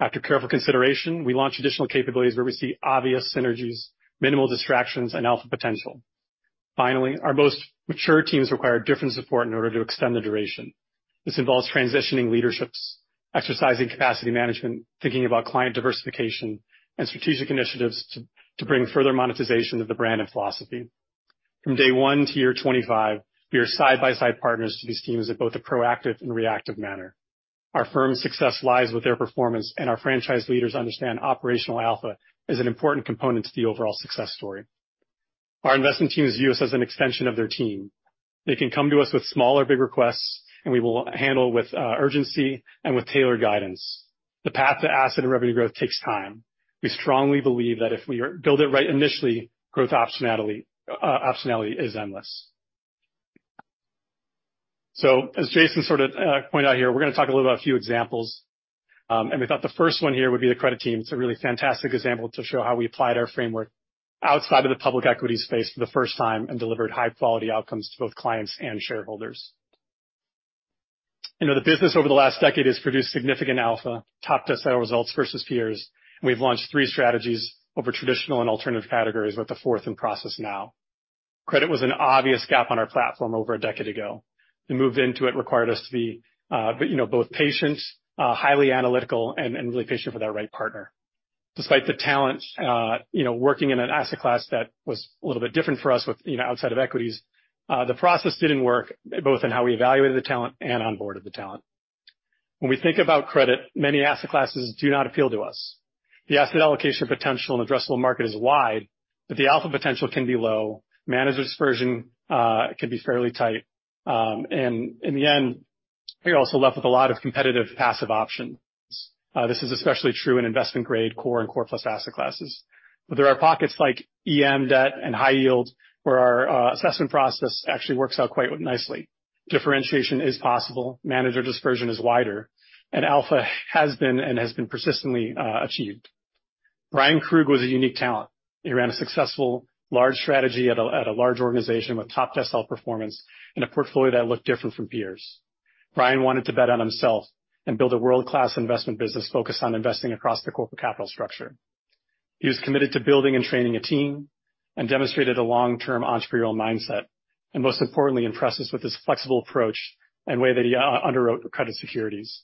After careful consideration, we launch additional capabilities where we see obvious synergies, minimal distractions, and alpha potential. Finally, our most mature teams require different support in order to extend the duration. This involves transitioning leaderships, exercising capacity management, thinking about client diversification, and strategic initiatives to bring further monetization to the brand and philosophy. From day one to year 25, we are side-by-side partners to these teams in both a proactive and reactive manner. Our firm's success lies with their performance, and our franchise leaders understand operational alpha is an important component to the overall success story. Our investment teams view us as an extension of their team. They can come to us with small or big requests, and we will handle with urgency and with tailored guidance. The path to asset and revenue growth takes time. We strongly believe that if we build it right initially, growth optionality, optionality is endless. So as Jason sort of pointed out here, we're gonna talk a little about a few examples. And we thought the first one here would be the Credit Team. It's a really fantastic example to show how we applied our framework outside of the public equities space for the first time and delivered high-quality outcomes to both clients and shareholders. You know, the business over the last decade has produced significant alpha, top decile results versus peers, and we've launched three strategies over traditional and alternative categories, with the fourth in process now. Credit was an obvious gap on our platform over a decade ago. We moved into it, required us to be, you know, both patient, highly analytical, and, and really patient with our right partner. Despite the talent, you know, working in an asset class that was a little bit different for us with, you know, outside of equities, the process didn't work, both in how we evaluated the talent and onboarded the talent. When we think about credit, many asset classes do not appeal to us. The asset allocation potential and addressable market is wide, but the alpha potential can be low, manager dispersion, can be fairly tight, and in the end, you're also left with a lot of competitive passive options. This is especially true in investment-grade core and core plus asset classes. But there are pockets like EM debt and high yield, where our assessment process actually works out quite nicely. Differentiation is possible, manager dispersion is wider, and alpha has been and has been persistently achieved. Bryan Krug was a unique talent. He ran a successful large strategy at a, at a large organization with top decile performance and a portfolio that looked different from peers. Bryan wanted to bet on himself and build a world-class investment business focused on investing across the corporate capital structure. He was committed to building and training a team and demonstrated a long-term entrepreneurial mindset, and most importantly, impressed us with his flexible approach and way that he underwrote the credit securities.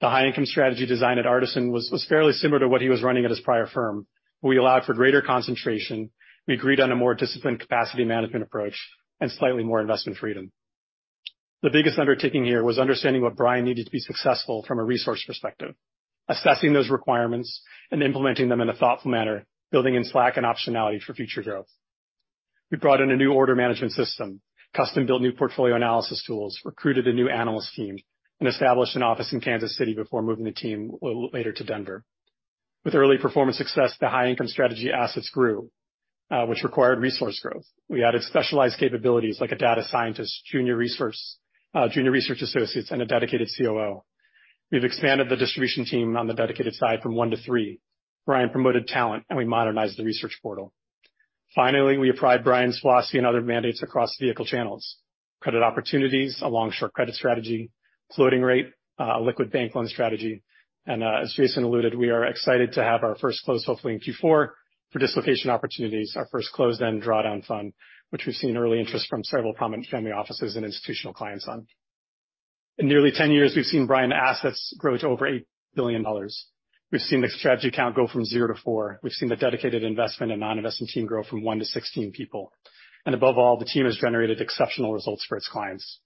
The High Income Strategy design at Artisan was, was fairly similar to what he was running at his prior firm. We allowed for greater concentration. We agreed on a more disciplined capacity management approach and slightly more investment freedom. The biggest undertaking here was understanding what Bryan needed to be successful from a resource perspective, assessing those requirements, and implementing them in a thoughtful manner, building in slack and optionality for future growth. We brought in a new order management system, custom-built new portfolio analysis tools, recruited a new analyst team, and established an office in Kansas City before moving the team later to Denver. With early performance success, the High-Income Strategy assets grew, which required resource growth. We added specialized capabilities like a data scientist, junior resource, junior research associates, and a dedicated COO. We've expanded the distribution team on the dedicated side from one to three. Bryan promoted talent, and we modernized the research portal. Finally, we applied Bryan philosophy and other mandates across vehicle channels, Credit Opportunities, a long-short credit strategy, Floating Rate, liquid bank loan strategy, and, as Jason alluded, we are excited to have our first close, hopefully in Q4, for Dislocation Opportunities, our first closed-end drawdown fund, which we've seen early interest from several prominent family offices and institutional clients on. In nearly 10 years, we've seen Bryan assets grow to over $8 billion. We've seen the strategy count go from 0 to 4. We've seen the dedicated investment and non-investment team grow from 1 to 16 people. And above all, the team has generated exceptional results for its clients.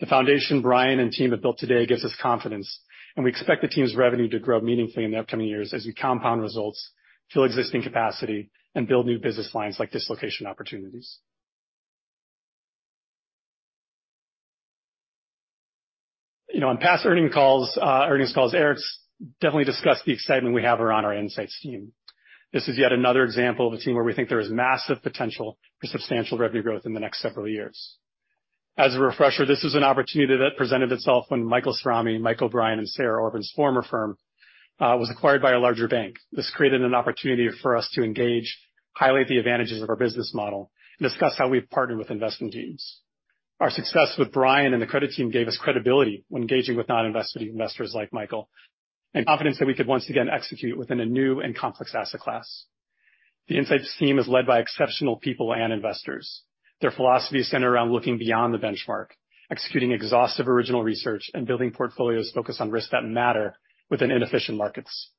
The foundation Bryan and team have built today gives us confidence, and we expect the team's revenue to grow meaningfully in the upcoming years as we compound results, fill existing capacity, and build new business lines like Dislocation Opportunities. You know, on past earnings calls, Eric's definitely discussed the excitement we have around our EMsights team. This is yet another example of a team where we think there is massive potential for substantial revenue growth in the next several years. As a refresher, this is an opportunity that presented itself when Michael Cirami, Mike O'Brien, and Sarah Orvin's former firm was acquired by a larger bank. This created an opportunity for us to engage, highlight the advantages of our business model, and discuss how we've partnered with investment teams. Our success with Brian and the credit team gave us credibility when engaging with non-invested investors like Michael, and confidence that we could once again execute within a new and complex asset class. The insights team is led by exceptional people and investors. Their philosophy is centered around looking beyond the benchmark, executing exhaustive original research, and building portfolios focused on risks that matter within inefficient markets.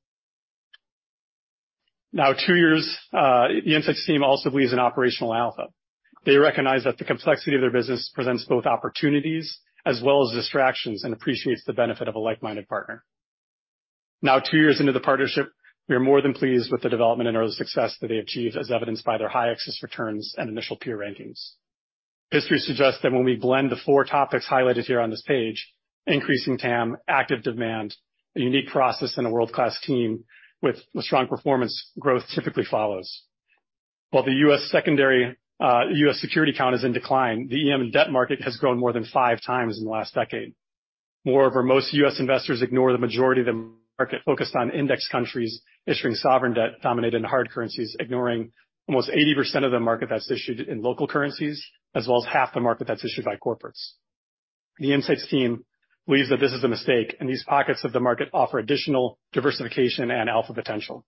Now, two years, the insights team also believes in operational alpha. They recognize that the complexity of their business presents both opportunities as well as distractions, and appreciates the benefit of a like-minded partner. Now, two years into the partnership, we are more than pleased with the development and early success that they achieved, as evidenced by their high excess returns and initial peer rankings. History suggests that when we blend the four topics highlighted here on this page, increasing TAM, active demand, a unique process, and a world-class team with a strong performance, growth typically follows. While the U.S. secondary, U.S. security count is in decline, the EM and debt market has grown more than 5 times in the last decade. Moreover, most U.S. investors ignore the majority of the market, focused on index countries issuing sovereign debt dominated in hard currencies, ignoring almost 80% of the market that's issued in local currencies, as well as half the market that's issued by corporates. The EMsights team believes that this is a mistake, and these pockets of the market offer additional diversification and alpha potential.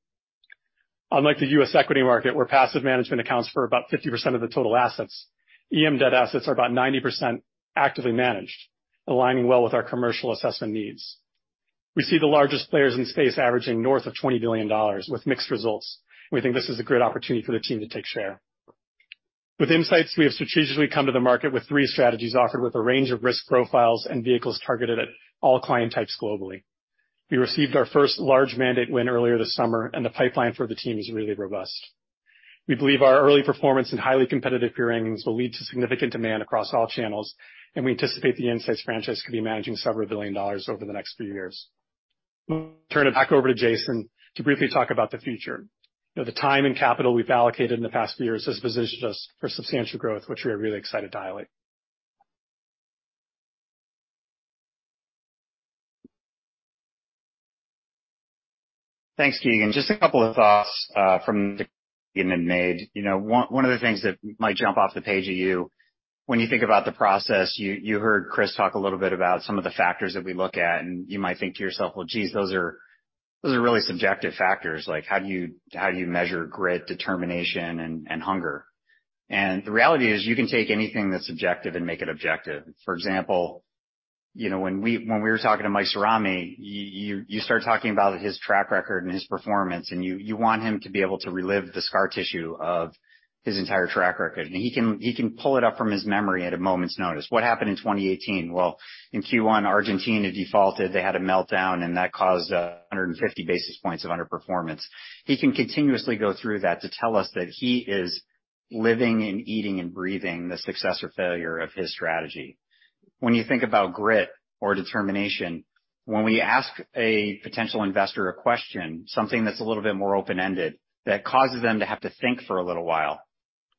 Unlike the U.S. equity market, where passive management accounts for about 50% of the total assets, EM debt assets are about 90% actively managed, aligning well with our commercial assessment needs. We see the largest players in the space averaging north of $20 billion with mixed results, and we think this is a great opportunity for the team to take share. With EMsights, we have strategically come to the market with three strategies offered, with a range of risk profiles and vehicles targeted at all client types globally. We received our first large mandate win earlier this summer, and the pipeline for the team is really robust. We believe our early performance and highly competitive peerings will lead to significant demand across all channels, and we anticipate the EMsights franchise could be managing $several billion over the next few years. Turn it back over to Jason to briefly talk about the future. You know, the time and capital we've allocated in the past few years has positioned us for substantial growth, which we are really excited to highlight. Thanks, Keegan. Just a couple of thoughts from the beginning made. You know, one, one of the things that might jump off the page at you when you think about the process, you heard Chris talk a little bit about some of the factors that we look at, and you might think to yourself, "Well, geez, those are really subjective factors, like, how do you measure grit, determination, and hunger?" And the reality is, you can take anything that's subjective and make it objective. For example, you know, when we were talking to Mike Cirami, you start talking about his track record and his performance, and you want him to be able to relive the scar tissue of his entire track record. And he can pull it up from his memory at a moment's notice. What happened in 2018? Well, in Q1, Argentina defaulted. They had a meltdown, and that caused 150 basis points of underperformance. He can continuously go through that to tell us that he is living and eating and breathing the success or failure of his strategy. When you think about grit or determination, when we ask a potential investor a question, something that's a little bit more open-ended, that causes them to have to think for a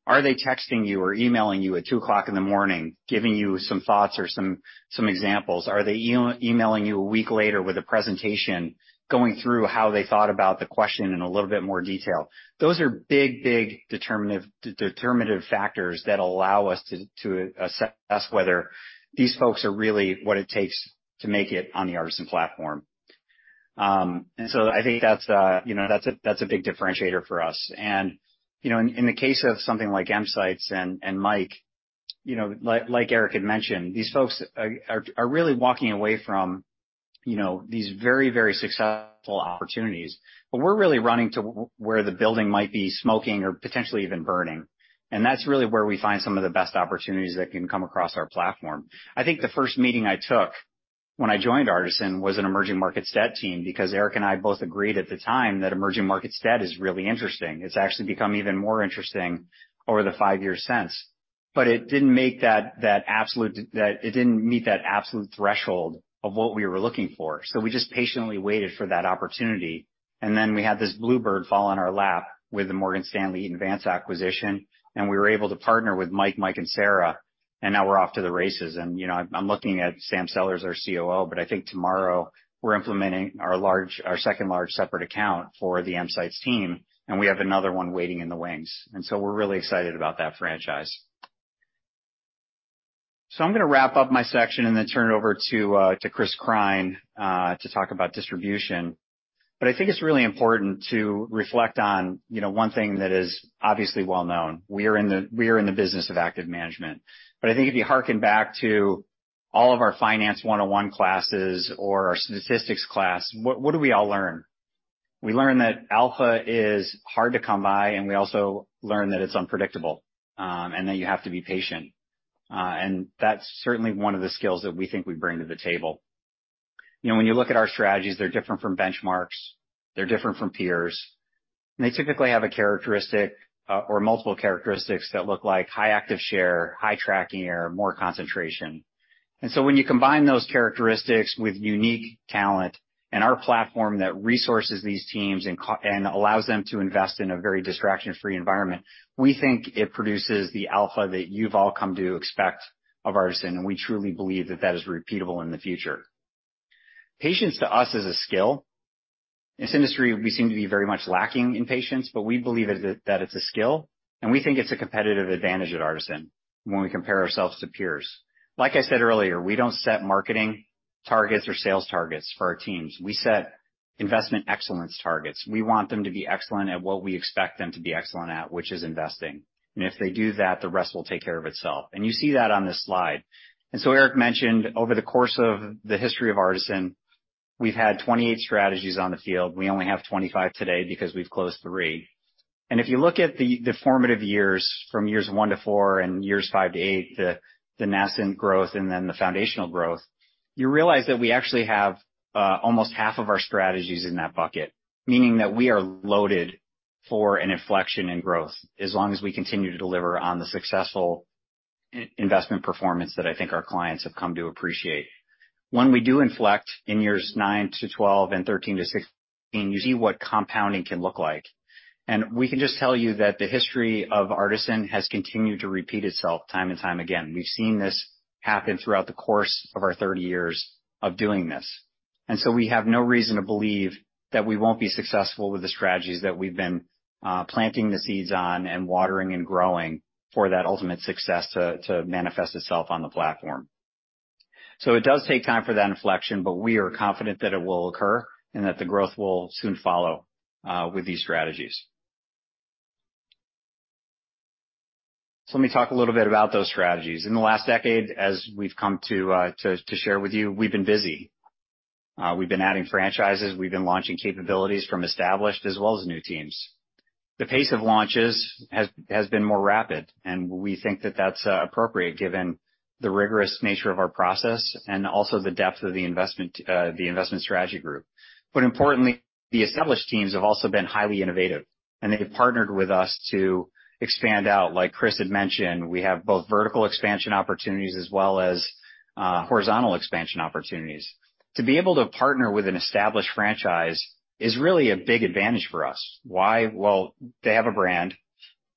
little while, are they texting you or emailing you at 2:00 A.M., giving you some thoughts or some examples? Are they emailing you a week later with a presentation, going through how they thought about the question in a little bit more detail? Those are big, big determinative factors that allow us to, to assess whether these folks are really what it takes to make it on the Artisan platform. And so I think that's, you know, that's a, that's a big differentiator for us. And, you know, in, in the case of something like EMsights and, and Mike, you know, like, like Eric had mentioned, these folks are, are, are really walking away from, you know, these very, very successful opportunities. But we're really running to where the building might be smoking or potentially even burning, and that's really where we find some of the best opportunities that can come across our platform. I think the first meeting I took when I joined Artisan was an emerging markets debt team, because Eric and I both agreed at the time that emerging markets debt is really interesting. It's actually become even more interesting over the five years since. But it didn't make that absolute threshold of what we were looking for. So we just patiently waited for that opportunity, and then we had this bluebird fall on our lap with the Morgan Stanley's Eaton Vance acquisition, and we were able to partner with Mike, Mike, and Sarah, and now we're off to the races. You know, I'm looking at Sam Sellers, our COO, but I think tomorrow we're implementing our second large separate account for the EMsights team, and we have another one waiting in the wings. So we're really excited about that franchise. I'm gonna wrap up my section and then turn it over to Chris Krein to talk about distribution. But I think it's really important to reflect on, you know, one thing that is obviously well known. We are in the, we are in the business of active management. But I think if you harken back to all of our Finance 101 classes or our statistics class, what do we all learn? We learn that alpha is hard to come by, and we also learn that it's unpredictable, and that you have to be patient. And that's certainly one of the skills that we think we bring to the table. You know, when you look at our strategies, they're different from benchmarks, they're different from peers, and they typically have a characteristic, or multiple characteristics that look like high Active Share, high Tracking Error, more concentration. And so when you combine those characteristics with unique talent and our platform that resources these teams and allows them to invest in a very distraction-free environment, we think it produces the alpha that you've all come to expect of Artisan, and we truly believe that that is repeatable in the future. Patience, to us, is a skill. In this industry, we seem to be very much lacking in patience, but we believe it, that it's a skill, and we think it's a competitive advantage at Artisan when we compare ourselves to peers. Like I said earlier, we don't set marketing targets or sales targets for our teams. We set investment excellence targets. We want them to be excellent at what we expect them to be excellent at, which is investing. And if they do that, the rest will take care of itself. You see that on this slide. So Eric mentioned over the course of the history of Artisan, we've had 28 strategies on the field. We only have 25 today because we've closed 3. If you look at the formative years, from years 1 to 4 and years 5 to 8, the nascent growth and then the foundational growth, you realize that we actually have almost half of our strategies in that bucket, meaning that we are loaded for an inflection in growth as long as we continue to deliver on the successful investment performance that I think our clients have come to appreciate. When we do inflect in years 9 to 12 and 13 to 16, you see what compounding can look like. We can just tell you that the history of Artisan has continued to repeat itself time and time again. We've seen this happen throughout the course of our 30 years of doing this, and so we have no reason to believe that we won't be successful with the strategies that we've been planting the seeds on and watering and growing for that ultimate success to manifest itself on the platform. So it does take time for that inflection, but we are confident that it will occur and that the growth will soon follow with these strategies. So let me talk a little bit about those strategies. In the last decade, as we've come to share with you, we've been busy. We've been adding franchises. We've been launching capabilities from established as well as new teams. The pace of launches has been more rapid, and we think that that's appropriate, given the rigorous nature of our process and also the depth of the Investment Strategy Group. But importantly, the established teams have also been highly innovative, and they've partnered with us to expand out. Like Chris had mentioned, we have both vertical expansion opportunities as well as horizontal expansion opportunities. To be able to partner with an established franchise is really a big advantage for us. Why? Well, they have a brand,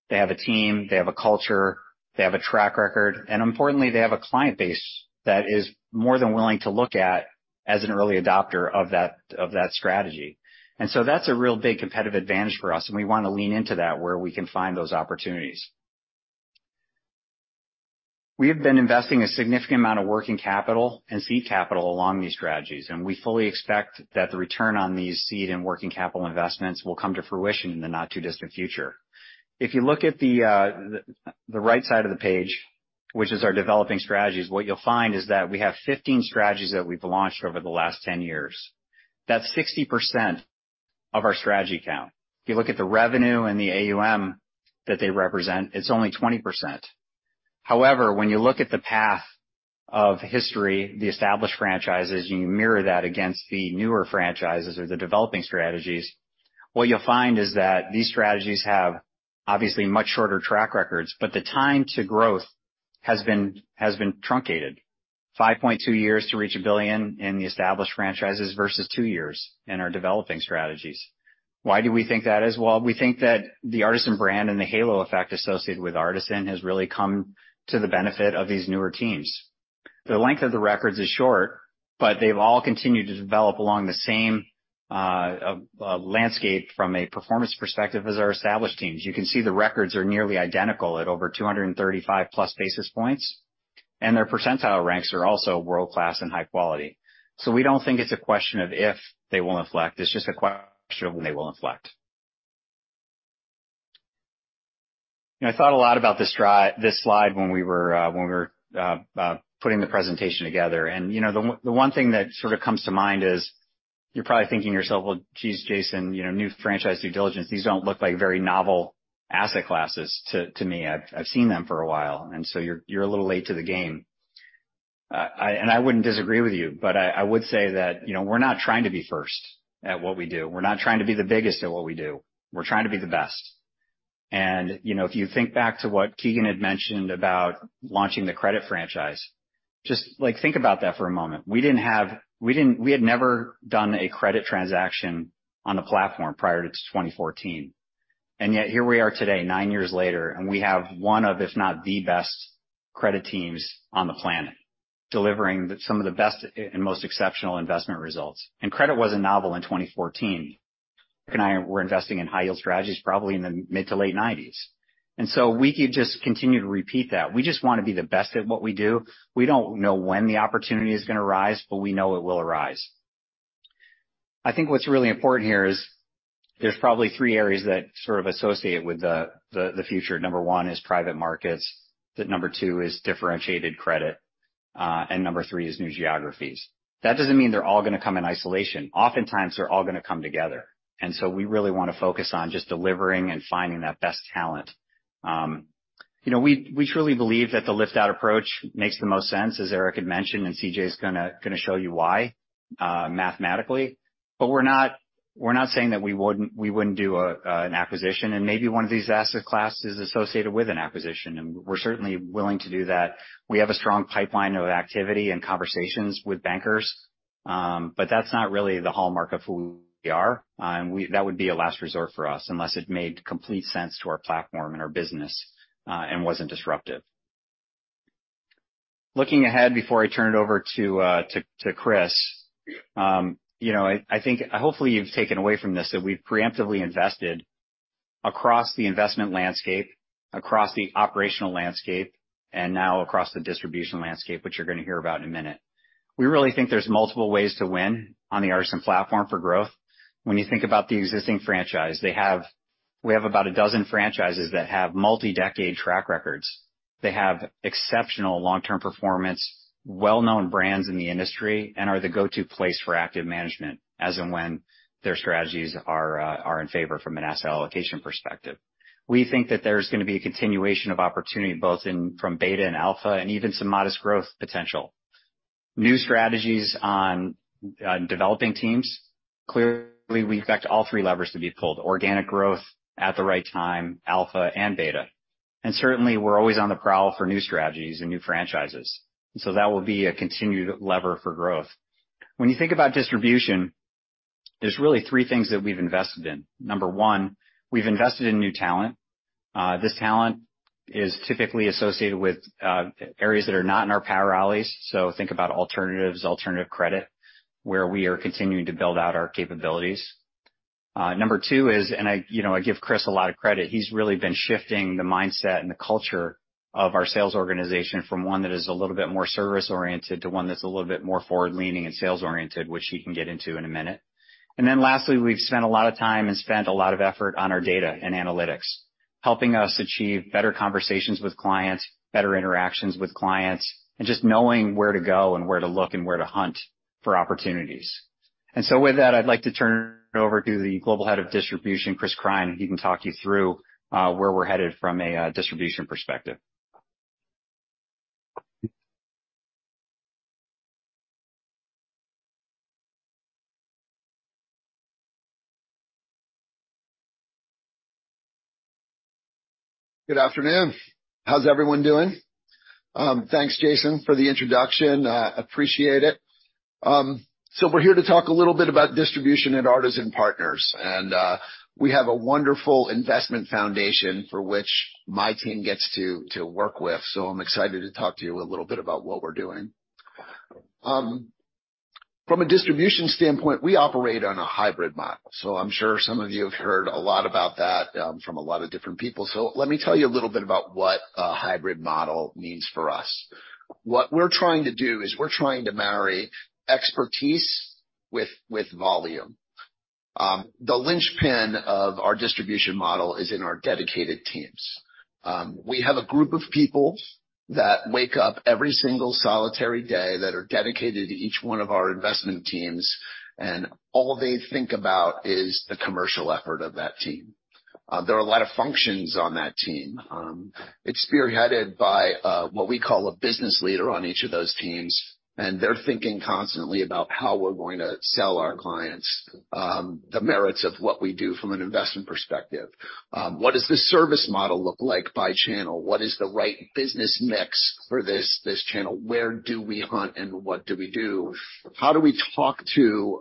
they have a team, they have a culture, they have a track record, and importantly, they have a client base that is more than willing to look at as an early adopter of that strategy. And so that's a real big competitive advantage for us, and we want to lean into that where we can find those opportunities. We have been investing a significant amount of working capital and seed capital along these strategies, and we fully expect that the return on these seed and working capital investments will come to fruition in the not-too-distant future. If you look at the right side of the page, which is our developing strategies, what you'll find is that we have 15 strategies that we've launched over the last 10 years. That's 60% of our strategy count. If you look at the revenue and the AUM that they represent, it's only 20%. However, when you look at the path of history, the established franchises, and you mirror that against the newer franchises or the developing strategies, what you'll find is that these strategies have obviously much shorter track records, but the time to growth has been, has been truncated. 5.2 years to reach $1 billion in the established franchises versus 2 years in our developing strategies. Why do we think that is? Well, we think that the Artisan brand and the halo effect associated with Artisan has really come to the benefit of these newer teams. The length of the records is short, but they've all continued to develop along the same landscape from a performance perspective as our established teams. You can see the records are nearly identical at over 235+ basis points, and their percentile ranks are also world-class and high quality. So we don't think it's a question of if they will inflect, it's just a question of when they will inflect. I thought a lot about this slide when we were putting the presentation together. And, you know, the one, the one thing that sort of comes to mind is, you're probably thinking to yourself: "Well, geez, Jason, you know, new franchise due diligence, these don't look like very novel asset classes to me. I've seen them for a while, and so you're a little late to the game." And I wouldn't disagree with you, but I would say that, you know, we're not trying to be first at what we do. We're not trying to be the biggest at what we do. We're trying to be the best. You know, if you think back to what Keegan had mentioned about launching the credit franchise, just, like, think about that for a moment. We didn't have... We didn't- we had never done a credit transaction on the platform prior to 2014, and yet here we are today, 9 years later, and we have one of, if not the best, credit teams on the planet, delivering the, some of the best and most exceptional investment results. And credit wasn't novel in 2014. Eric and I were investing in high yield strategies probably in the mid- to late-1990s. And so we could just continue to repeat that. We just want to be the best at what we do. We don't know when the opportunity is going to arise, but we know it will arise. I think what's really important here is there's probably 3 areas that sort of associate with the future. Number 1 is private markets. The number 2 is differentiated credit, and number 3 is new geographies. That doesn't mean they're all going to come in isolation. Oftentimes, they're all going to come together, and so we really want to focus on just delivering and finding that best talent. You know, we truly believe that the lift-out approach makes the most sense, as Eric had mentioned, and C.J. is gonna show you why, mathematically. But we're not saying that we wouldn't do an acquisition, and maybe one of these asset classes is associated with an acquisition, and we're certainly willing to do that. We have a strong pipeline of activity and conversations with bankers, but that's not really the hallmark of who we are. That would be a last resort for us, unless it made complete sense to our platform and our business, and wasn't disruptive. Looking ahead, before I turn it over to Chris, you know, I think hopefully you've taken away from this, that we've preemptively invested across the investment landscape, across the operational landscape, and now across the distribution landscape, which you're going to hear about in a minute. We really think there's multiple ways to win on the Artisan platform for growth. When you think about the existing franchise, we have about a dozen franchises that have multi-decade track records. They have exceptional long-term performance, well-known brands in the industry, and are the go-to place for active management, as and when their strategies are in favor from an asset allocation perspective. We think that there's going to be a continuation of opportunity, both in from beta and alpha, and even some modest growth potential. New strategies on developing teams. Clearly, we've got all three levers to be pulled: organic growth at the right time, alpha and beta. Certainly, we're always on the prowl for new strategies and new franchises, so that will be a continued lever for growth. When you think about distribution, there's really three things that we've invested in. Number one, we've invested in new talent. This talent is typically associated with areas that are not in our power alleys, so think about alternatives, alternative credit, where we are continuing to build out our capabilities. Number two is, and I, you know, I give Chris a lot of credit. He's really been shifting the mindset and the culture of our sales organization from one that is a little bit more service-oriented to one that's a little bit more forward-leaning and sales-oriented, which he can get into in a minute. And then lastly, we've spent a lot of time and spent a lot of effort on our data and analytics, helping us achieve better conversations with clients, better interactions with clients, and just knowing where to go and where to look and where to hunt for opportunities. With that, I'd like to turn it over to the global head of distribution, Chris Krein, and he can talk you through where we're headed from a distribution perspective. Good afternoon. How's everyone doing? Thanks, Jason, for the introduction. I appreciate it. So we're here to talk a little bit about distribution at Artisan Partners, and we have a wonderful investment foundation for which my team gets to work with. So I'm excited to talk to you a little bit about what we're doing. From a distribution standpoint, we operate on a hybrid model, so I'm sure some of you have heard a lot about that from a lot of different people. So let me tell you a little bit about what a hybrid model means for us. What we're trying to do is we're trying to marry expertise with volume. The linchpin of our distribution model is in our dedicated teams. We have a group of people that wake up every single solitary day that are dedicated to each one of our investment teams, and all they think about is the commercial effort of that team. There are a lot of functions on that team. It's spearheaded by what we call a business leader on each of those teams, and they're thinking constantly about how we're going to sell our clients the merits of what we do from an investment perspective. What does this service model look like by channel? What is the right business mix for this, this channel? Where do we hunt, and what do we do? How do we talk to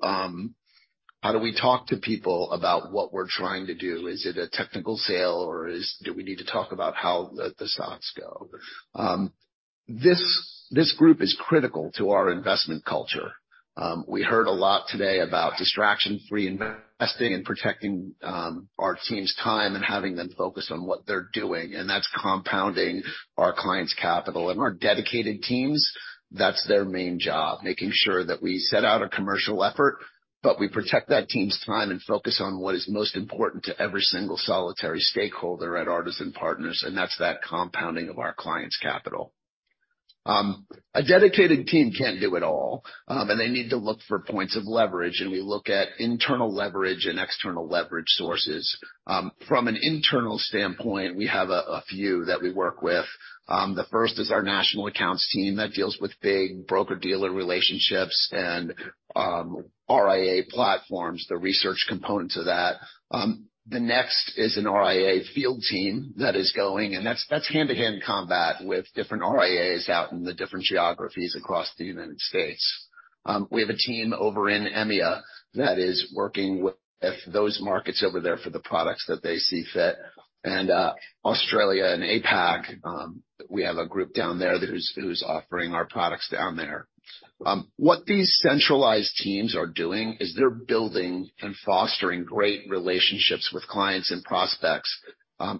people about what we're trying to do? Is it a technical sale, or is... Do we need to talk about how the, the stocks go? This group is critical to our investment culture. We heard a lot today about distraction-free investing and protecting our team's time and having them focus on what they're doing, and that's compounding our clients' capital. Our dedicated teams, that's their main job, making sure that we set out a commercial effort, but we protect that team's time and focus on what is most important to every single solitary stakeholder at Artisan Partners, and that's that compounding of our clients' capital. A dedicated team can't do it all, and they need to look for points of leverage, and we look at internal leverage and external leverage sources. From an internal standpoint, we have a few that we work with. The first is our national accounts team that deals with big broker-dealer relationships and RIA platforms, the research component to that. The next is an RIA field team that is going, and that's hand-to-hand combat with different RIAs out in the different geographies across the United States. We have a team over in EMEA that is working with those markets over there for the products that they see fit. And Australia and APAC, we have a group down there who's offering our products down there. What these centralized teams are doing is they're building and fostering great relationships with clients and prospects,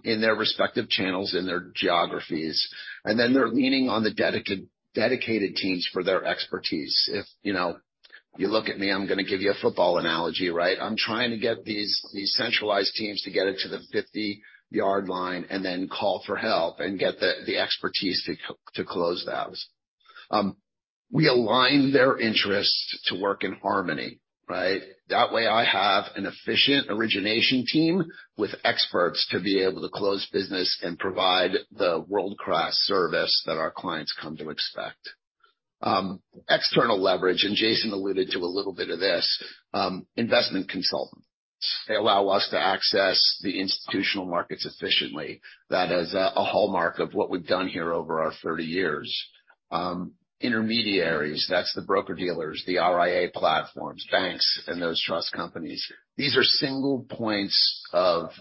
in their respective channels, in their geographies, and then they're leaning on the dedicated teams for their expertise. If you know, you look at me, I'm going to give you a football analogy, right? I'm trying to get these, these centralized teams to get it to the 50-yard line and then call for help and get the, the expertise to close those. We align their interests to work in harmony, right? That way, I have an efficient origination team with experts to be able to close business and provide the world-class service that our clients come to expect. External leverage, and Jason alluded to a little bit of this, investment consultants. They allow us to access the institutional markets efficiently. That is a hallmark of what we've done here over our 30 years. Intermediaries, that's the broker-dealers, the RIA platforms, banks, and those trust companies. These are single points of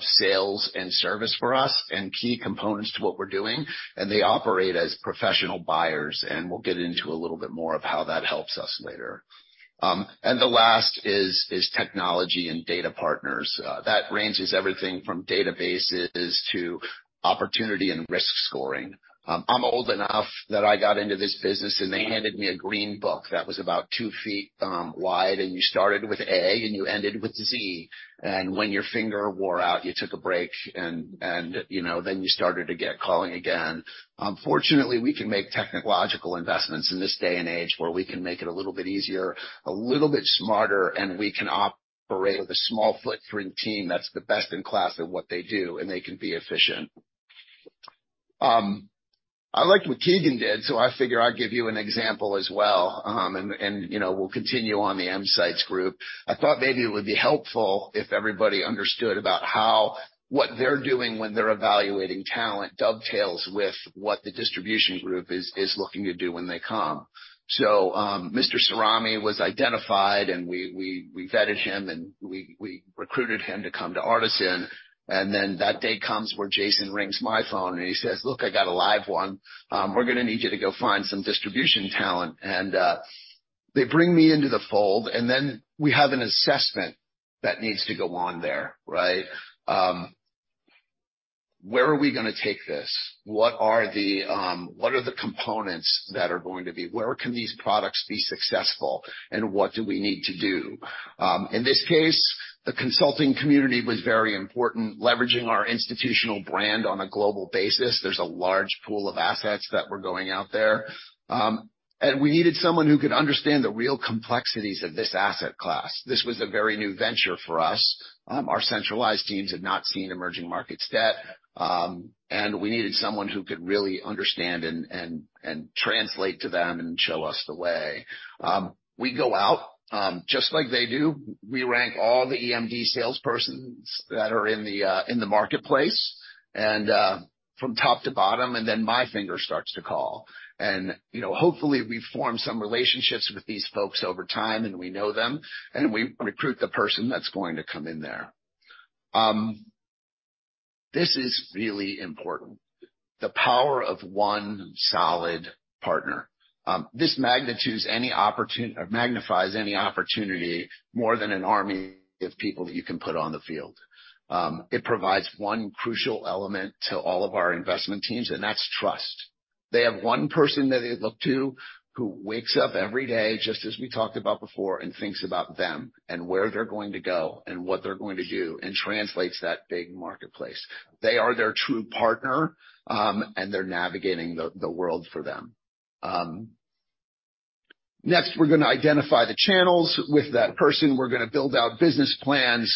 sales and service for us and key components to what we're doing, and they operate as professional buyers, and we'll get into a little bit more of how that helps us later. And the last is technology and data partners. That ranges everything from databases to opportunity and risk scoring. I'm old enough that I got into this business, and they handed me a green book that was about 2 feet wide, and you started with A, and you ended with Z. And when your finger wore out, you took a break, and you know, then you started to get calling again. Unfortunately, we can make technological investments in this day and age where we can make it a little bit easier, a little bit smarter, and we can operate with a small footprint team that's the best-in-class at what they do, and they can be efficient. I liked what Keegan did, so I figure I'd give you an example as well. And, you know, we'll continue on the EMsights group. I thought maybe it would be helpful if everybody understood about how what they're doing when they're evaluating talent dovetails with what the distribution group is looking to do when they come. So, Mr. Cirami was identified, and we vetted him, and we recruited him to come to Artisan. And then that day comes where Jason rings my phone, and he says, "Look, I got a live one. We're gonna need you to go find some distribution talent." They bring me into the fold, and then we have an assessment that needs to go on there, right? Where are we gonna take this? What are the, what are the components that are going to be? Where can these products be successful, and what do we need to do? In this case, the consulting community was very important, leveraging our institutional brand on a global basis. There's a large pool of assets that were going out there. And we needed someone who could understand the real complexities of this asset class. This was a very new venture for us. Our centralized teams had not seen emerging market debt, and we needed someone who could really understand and translate to them, and show us the way. We go out, just like they do. We rank all the EMD salespersons that are in the marketplace, and from top to bottom, and then my finger starts to call. And, you know, hopefully, we form some relationships with these folks over time, and we know them, and we recruit the person that's going to come in there. This is really important, the power of one solid partner. It magnifies any opportunity more than an army of people that you can put on the field. It provides one crucial element to all of our investment teams, and that's trust. They have one person that they look to, who wakes up every day, just as we talked about before, and thinks about them, and where they're going to go, and what they're going to do, and translates that big marketplace. They are their true partner, and they're navigating the world for them. Next, we're gonna identify the channels. With that person, we're gonna build out business plans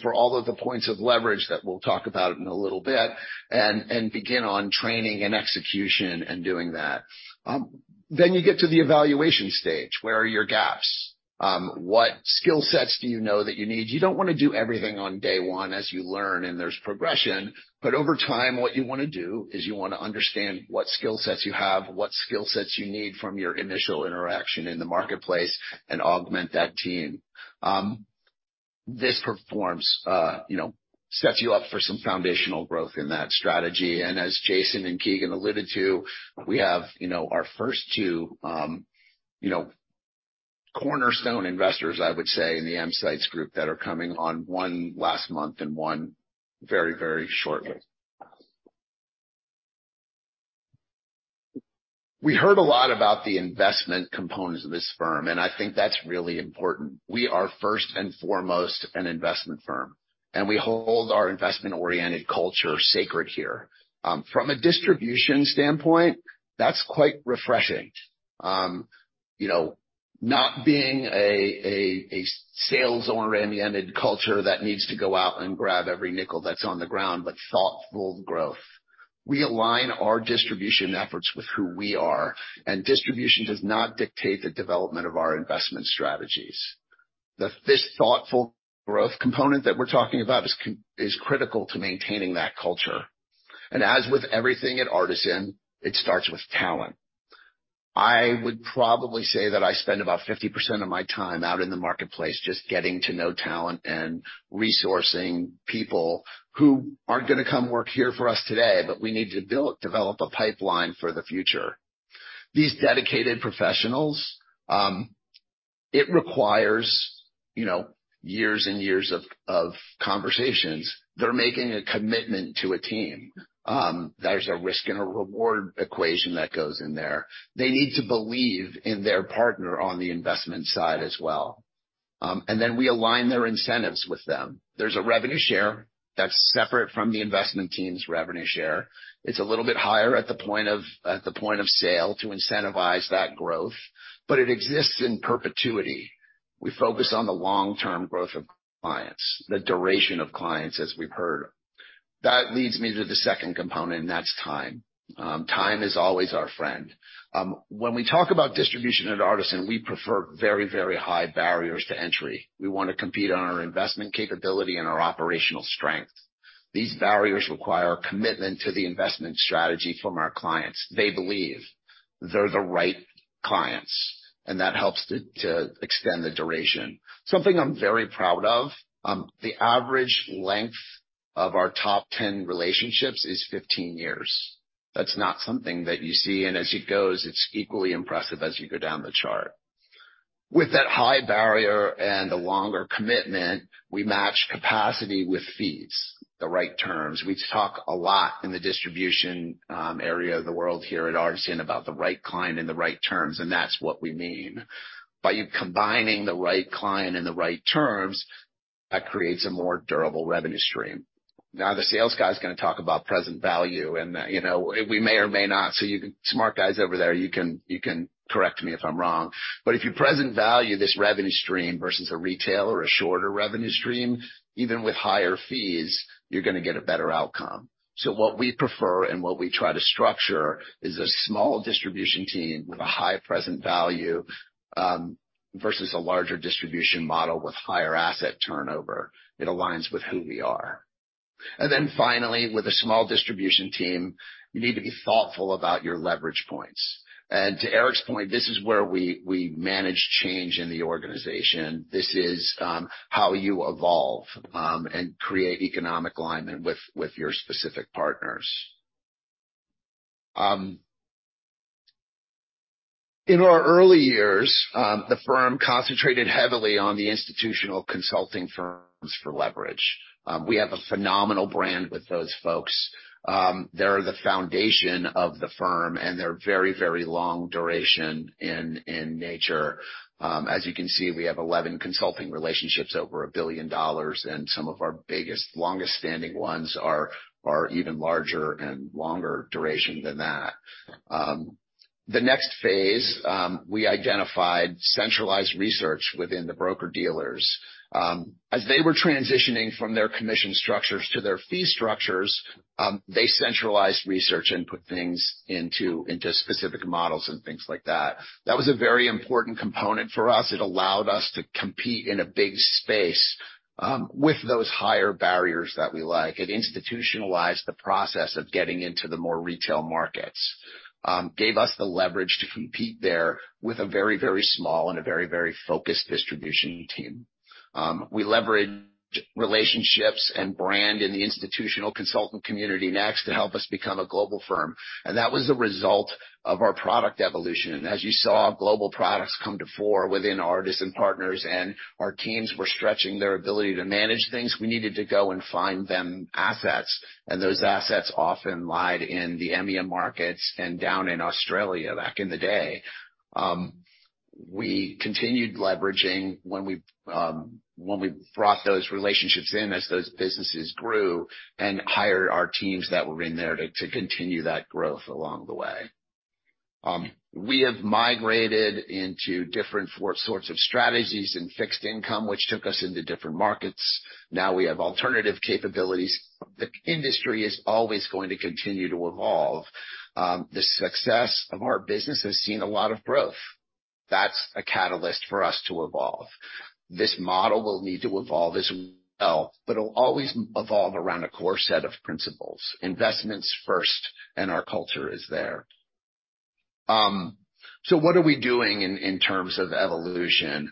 for all of the points of leverage that we'll talk about in a little bit, and begin on training and execution and doing that. Then you get to the evaluation stage. Where are your gaps? What skill sets do you know that you need? You don't wanna do everything on day one as you learn, and there's progression. Over time, what you wanna do is you wanna understand what skill sets you have, what skill sets you need from your initial interaction in the marketplace, and augment that team. You know, sets you up for some foundational growth in that strategy. As Jason and Keegan alluded to, we have, you know, our first two, you know, cornerstone investors, I would say, in the EMsights group that are coming on, one last month and one very, very shortly. We heard a lot about the investment components of this firm, and I think that's really important. We are first and foremost an investment firm, and we hold our investment-oriented culture sacred here. From a distribution standpoint, that's quite refreshing. You know, not being a sales or oriented culture that needs to go out and grab every nickel that's on the ground, but thoughtful growth. We align our distribution efforts with who we are, and distribution does not dictate the development of our investment strategies. This thoughtful growth component that we're talking about is critical to maintaining that culture, and as with everything at Artisan, it starts with talent. I would probably say that I spend about 50% of my time out in the marketplace just getting to know talent and resourcing people who aren't gonna come work here for us today, but we need to develop a pipeline for the future. These dedicated professionals, it requires, you know, years and years of conversations. They're making a commitment to a team. There's a risk and a reward equation that goes in there. They need to believe in their partner on the investment side as well. And then we align their incentives with them. There's a revenue share that's separate from the investment team's revenue share. It's a little bit higher at the point of sale to incentivize that growth, but it exists in perpetuity. We focus on the long-term growth of clients, the duration of clients, as we've heard. That leads me to the second component, and that's time. Time is always our friend. When we talk about distribution at Artisan, we prefer very, very high barriers to entry. We want to compete on our investment capability and our operational strength. These barriers require a commitment to the investment strategy from our clients. They believe they're the right clients, and that helps to extend the duration. Something I'm very proud of, the average length of our top 10 relationships is 15 years. That's not something that you see, and as it goes, it's equally impressive as you go down the chart. With that high barrier and a longer commitment, we match capacity with fees, the right terms. We talk a lot in the distribution area of the world here at Artisan, about the right client and the right terms, and that's what we mean. By you combining the right client and the right terms, that creates a more durable revenue stream. Now, the sales guy is going to talk about present value, and you know, we may or may not. So you can, smart guys over there, you can correct me if I'm wrong. But if you present value, this revenue stream versus a retail or a shorter revenue stream, even with higher fees, you're gonna get a better outcome. So what we prefer and what we try to structure is a small distribution team with a high present value versus a larger distribution model with higher asset turnover. It aligns with who we are. And then finally, with a small distribution team, you need to be thoughtful about your leverage points. And to Eric's point, this is where we manage change in the organization. This is how you evolve and create economic alignment with your specific partners. In our early years, the firm concentrated heavily on the institutional consulting firms for leverage. We have a phenomenal brand with those folks. They're the foundation of the firm, and they're very, very long duration in nature. As you can see, we have 11 consulting relationships over $1 billion, and some of our biggest, longest standing ones are even larger and longer duration than that. The next phase, we identified centralized research within the broker-dealers. As they were transitioning from their commission structures to their fee structures, they centralized research and put things into specific models and things like that. That was a very important component for us. It allowed us to compete in a big space with those higher barriers that we like. It institutionalized the process of getting into the more retail markets. Gave us the leverage to compete there with a very, very small and a very, very focused distribution team. We leveraged relationships and brand in the institutional consultant community next, to help us become a global firm. And that was the result of our product evolution. As you saw, global products come to fore within Artisan Partners, and our teams were stretching their ability to manage things. We needed to go and find them assets, and those assets often lay in the EMEA markets and down in Australia back in the day. We continued leveraging when we brought those relationships in as those businesses grew and hired our teams that were in there to continue that growth along the way. We have migrated into different sorts of strategies in fixed income, which took us into different markets. Now we have alternative capabilities. The industry is always going to continue to evolve. The success of our business has seen a lot of growth. That's a catalyst for us to evolve. This model will need to evolve as well, but it'll always evolve around a core set of principles, investments first, and our culture is there. So what are we doing in terms of evolution?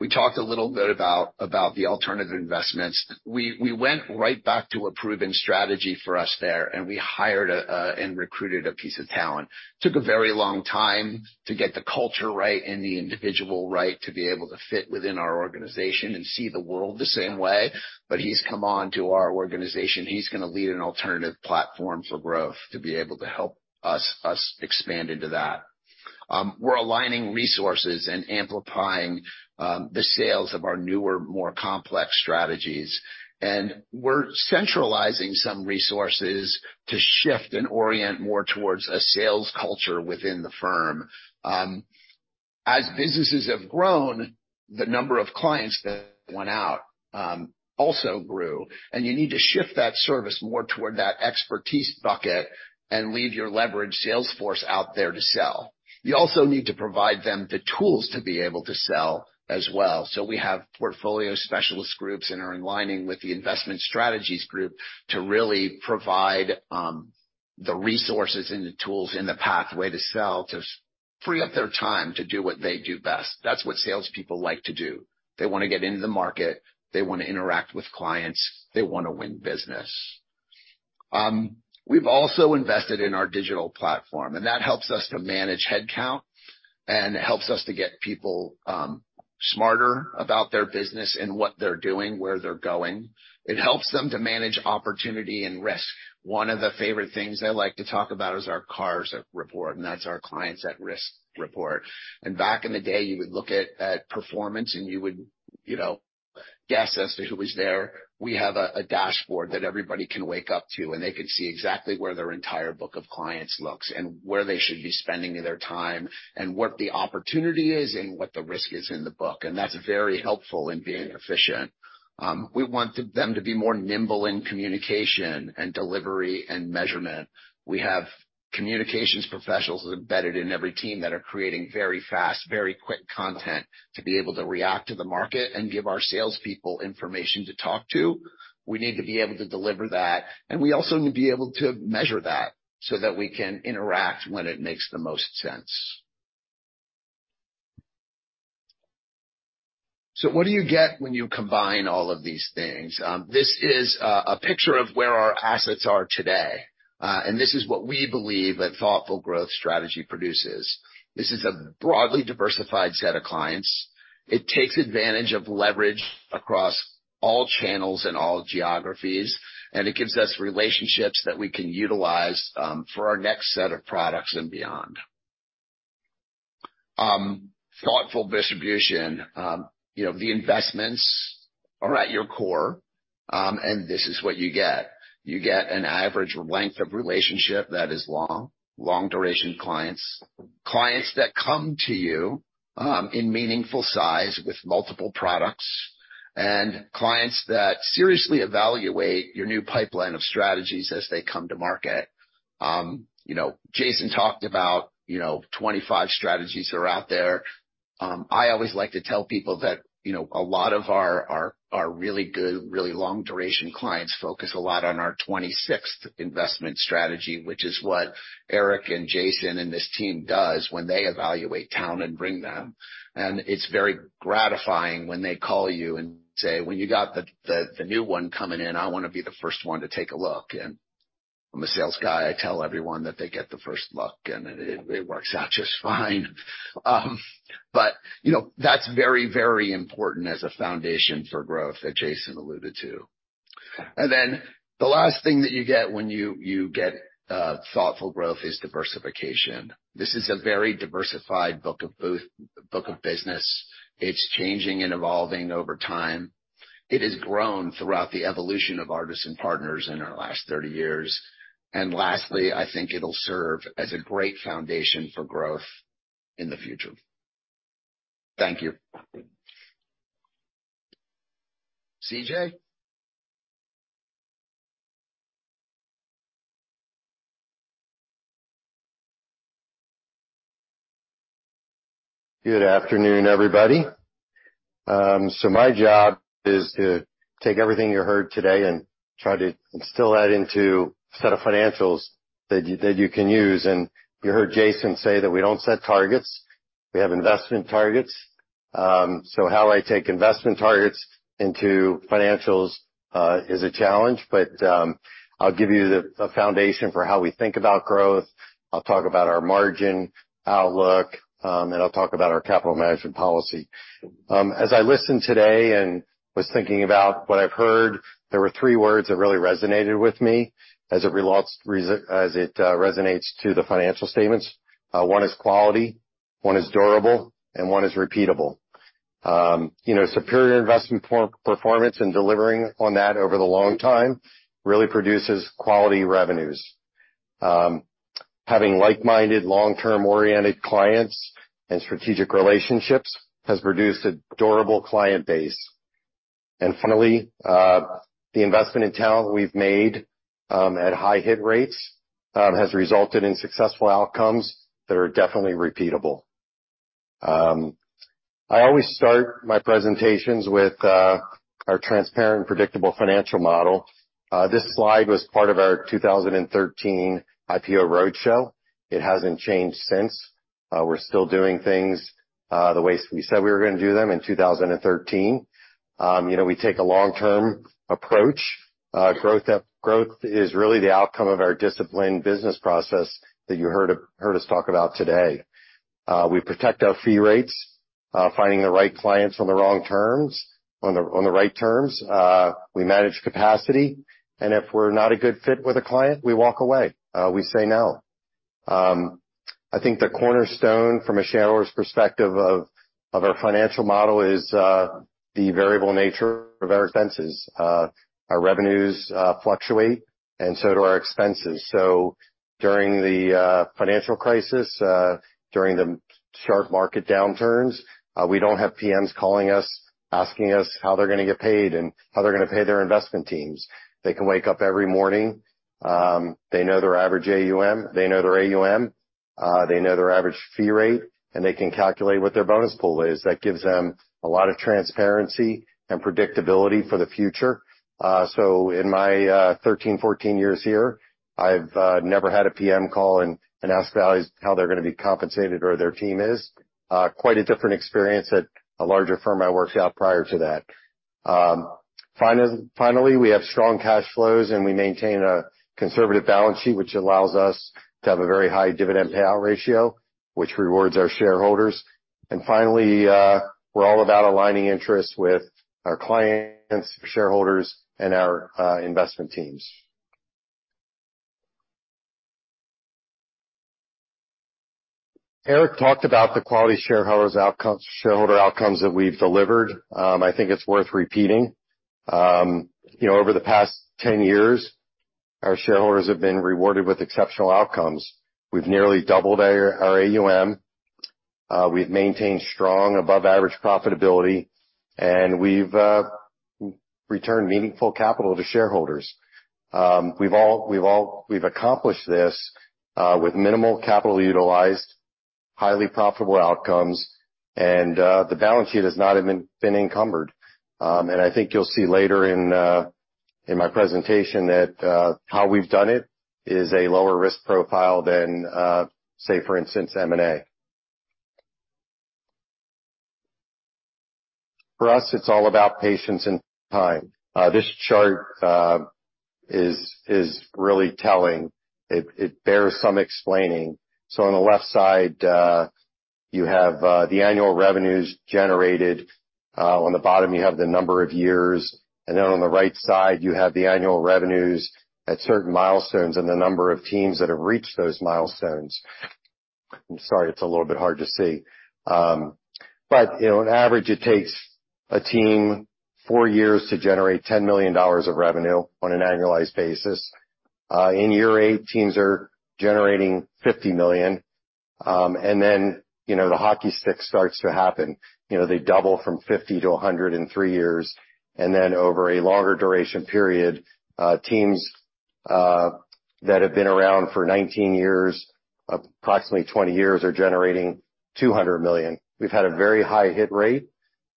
We talked a little bit about the alternative investments. We went right back to a proven strategy for us there, and we hired and recruited a piece of talent. Took a very long time to get the culture right and the individual right, to be able to fit within our organization and see the world the same way, but he's come on to our organization. He's gonna lead an alternative platform for growth to be able to help us expand into that. We're aligning resources and amplifying the sales of our newer, more complex strategies, and we're centralizing some resources to shift and orient more towards a sales culture within the firm. As businesses have grown, the number of clients that went out also grew, and you need to shift that service more toward that expertise bucket and leave your leverage sales force out there to sell. You also need to provide them the tools to be able to sell as well. So we have portfolio specialist groups and are aligning with the Investment Strategies Group to really provide the resources and the tools in the pathway to sell, to free up their time to do what they do best. That's what salespeople like to do. They want to get into the market. They want to interact with clients. They want to win business. We've also invested in our digital platform, and that helps us to manage headcount, and it helps us to get people smarter about their business and what they're doing, where they're going. It helps them to manage opportunity and risk. One of the favorite things I like to talk about is our CARs report, and that's our Clients At Risk report. Back in the day, you would look at performance, and you would guess as to who is there. We have a dashboard that everybody can wake up to, and they can see exactly where their entire book of clients looks and where they should be spending their time, and what the opportunity is and what the risk is in the book. That's very helpful in being efficient. We want them to be more nimble in communication and delivery and measurement. We have communications professionals embedded in every team that are creating very fast, very quick content to be able to react to the market and give our salespeople information to talk to. We need to be able to deliver that, and we also need to be able to measure that so that we can interact when it makes the most sense. So what do you get when you combine all of these things? This is a picture of where our assets are today, and this is what we believe that thoughtful growth strategy produces. This is a broadly diversified set of clients. It takes advantage of leverage across all channels and all geographies, and it gives us relationships that we can utilize for our next set of products and beyond. Thoughtful distribution, you know, the investments are at your core, and this is what you get. You get an average length of relationship that is long, long duration clients, clients that come to you, in meaningful size with multiple products, and clients that seriously evaluate your new pipeline of strategies as they come to market. You know, Jason talked about, you know, 25 strategies are out there. I always like to tell people that, you know, a lot of our really good, really long duration clients focus a lot on our 26th investment strategy, which is what Eric and Jason and this team does when they evaluate talent and bring them. It's very gratifying when they call you and say, "When you got the new one coming in, I want to be the first one to take a look." And I'm a sales guy, I tell everyone that they get the first look, and it works out just fine. But, you know, that's very, very important as a foundation for growth that Jason alluded to. And then the last thing that you get when you get thoughtful growth is diversification. This is a very diversified book of business. It's changing and evolving over time. It has grown throughout the evolution of Artisan Partners in our last 30 years. And lastly, I think it'll serve as a great foundation for growth in the future. Thank you. C.J.? Good afternoon, everybody. So my job is to take everything you heard today and try to instill that into a set of financials that you, that you can use. You heard Jason say that we don't set targets. We have investment targets. So how I take investment targets into financials is a challenge, but I'll give you the, a foundation for how we think about growth. I'll talk about our margin outlook, and I'll talk about our capital management policy. As I listened today and was thinking about what I've heard, there were three words that really resonated with me as it resonates to the financial statements. One is quality, one is durable, and one is repeatable. You know, superior investment performance and delivering on that over the long time really produces quality revenues. Having like-minded, long-term-oriented clients and strategic relationships has produced a durable client base. And finally, the investment in talent we've made, at high hit rates, has resulted in successful outcomes that are definitely repeatable. I always start my presentations with, our transparent and predictable financial model. This slide was part of our 2013 IPO roadshow. It hasn't changed since. We're still doing things, the way we said we were going to do them in 2013. You know, we take a long-term approach. Growth is really the outcome of our disciplined business process that you heard us talk about today. We protect our fee rates, finding the right clients on the wrong terms, on the right terms. We manage capacity, and if we're not a good fit with a client, we walk away, we say no. I think the cornerstone, from a shareholder's perspective of our financial model, is the variable nature of our expenses. Our revenues fluctuate, and so do our expenses. So during the financial crisis, during the sharp market downturns, we don't have PMs calling us, asking us how they're going to get paid and how they're going to pay their investment teams. They can wake up every morning, they know their average AUM, they know their AUM, they know their average fee rate, and they can calculate what their bonus pool is. That gives them a lot of transparency and predictability for the future. So in my 13, 14 years here, I've never had a PM call and ask how they're going to be compensated or their team is. Quite a different experience at a larger firm I worked at prior to that. Finally, we have strong cash flows, and we maintain a conservative balance sheet, which allows us to have a very high dividend payout ratio, which rewards our shareholders. And finally, we're all about aligning interests with our clients, shareholders, and our investment teams. Eric talked about the quality shareholders outcomes, shareholder outcomes that we've delivered. I think it's worth repeating. You know, over the past 10 years, our shareholders have been rewarded with exceptional outcomes. We've nearly doubled our AUM, we've maintained strong above-average profitability, and we've returned meaningful capital to shareholders. We've accomplished this with minimal capital utilized, highly profitable outcomes, and the balance sheet has not even been encumbered. I think you'll see later in my presentation that how we've done it is a lower risk profile than, say, for instance, M&A. For us, it's all about patience and time. This chart is really telling. It bears some explaining. So on the left side, you have the annual revenues generated. On the bottom, you have the number of years, and then on the right side, you have the annual revenues at certain milestones and the number of teams that have reached those milestones. I'm sorry, it's a little bit hard to see. But, you know, on average, it takes a team 4 years to generate $10 million of revenue on an annualized basis. In year 8, teams are generating $50 million. And then, you know, the hockey stick starts to happen. You know, they double from 50 to 100 in 3 years, and then over a longer duration period, teams that have been around for 19 years, approximately 20 years, are generating $200 million. We've had a very high hit rate,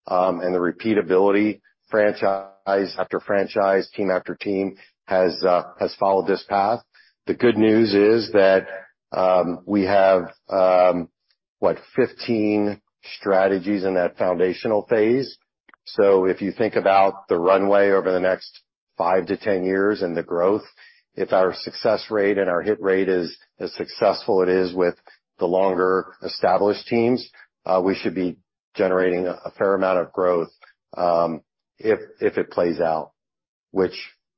and the repeatability, franchise after franchise, team after team, has followed this path. The good news is that we have what, 15 strategies in that foundational phase. So if you think about the runway over the next 5-10 years and the growth, if our success rate and our hit rate is as successful it is with the longer-established teams, we should be generating a fair amount of growth, if it plays out, which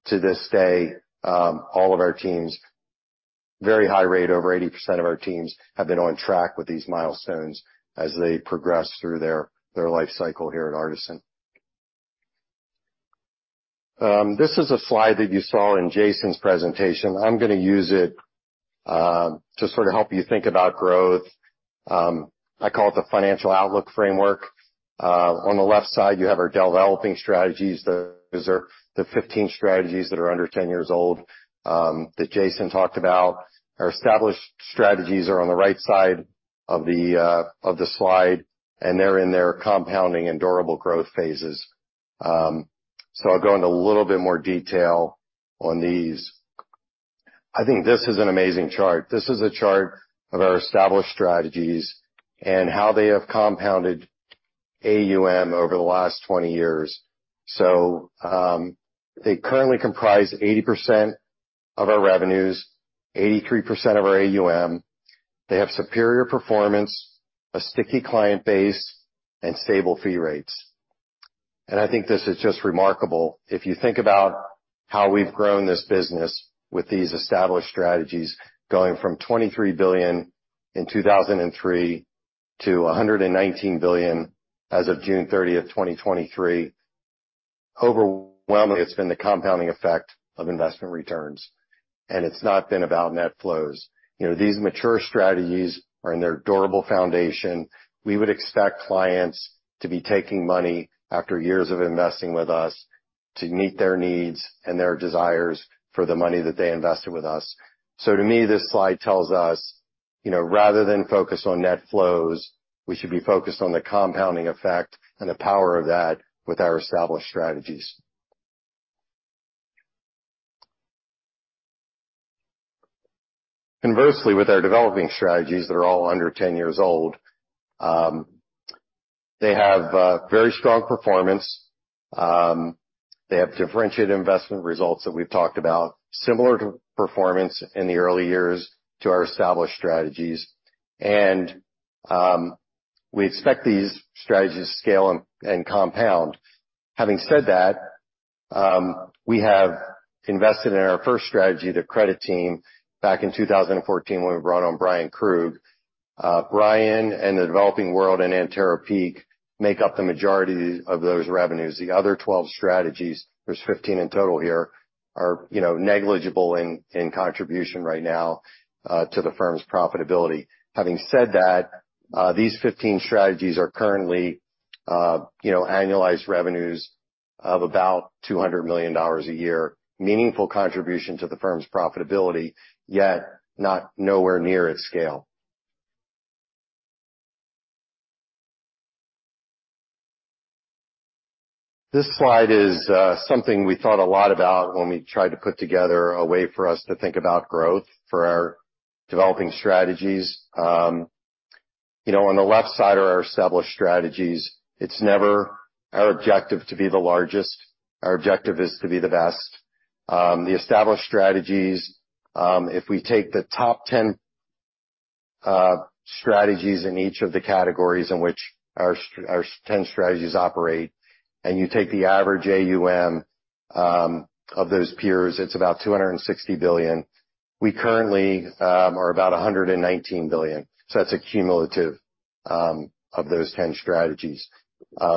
to this day, all of our teams, very high rate, over 80% of our teams, have been on track with these milestones as they progress through their life cycle here at Artisan. This is a slide that you saw in Jason's presentation. I'm gonna use it to sort of help you think about growth. I call it the financial outlook framework. On the left side, you have our developing strategies. Those are the 15 strategies that are under 10 years old that Jason talked about. Our established strategies are on the right side of the of the slide, and they're in their compounding and durable growth phases. So I'll go into a little bit more detail on these. I think this is an amazing chart. This is a chart of our established strategies and how they have compounded AUM over the last 20 years. So they currently comprise 80% of our revenues, 83% of our AUM. They have superior performance, a sticky client base, and stable fee rates. And I think this is just remarkable. If you think about how we've grown this business with these established strategies, going from $23 billion in 2003 to $119 billion as of June 30th, 2023, overwhelmingly, it's been the compounding effect of investment returns, and it's not been about net flows. You know, these mature strategies are in their durable foundation. We would expect clients to be taking money after years of investing with us to meet their needs and their desires for the money that they invested with us. So to me, this slide tells us, you know, rather than focus on net flows, we should be focused on the compounding effect and the power of that with our established strategies. Inversely, with our developing strategies that are all under 10 years old, they have very strong performance. They have differentiated investment results that we've talked about, similar to performance in the early years to our established strategies, and we expect these strategies to scale and compound. Having said that, we have invested in our first strategy, the Credit Team, back in 2014, when we brought on Bryan Krug. Brian and the Developing World and Antero Peak make up the majority of those revenues. The other 12 strategies, there's 15 in total here, are, you know, negligible in, in contribution right now, to the firm's profitability. Having said that, these 15 strategies are currently, you know, annualized revenues of about $200 million a year. Meaningful contribution to the firm's profitability, yet not nowhere near its scale. This slide is, you know, something we thought a lot about when we tried to put together a way for us to think about growth for our developing strategies. You know, on the left side are our established strategies. It's never our objective to be the largest. Our objective is to be the best. The established strategies, if we take the top 10 strategies in each of the categories in which our 10 strategies operate, and you take the average AUM of those peers, it's about $260 billion. We currently are about $119 billion, so that's a cumulative of those 10 strategies,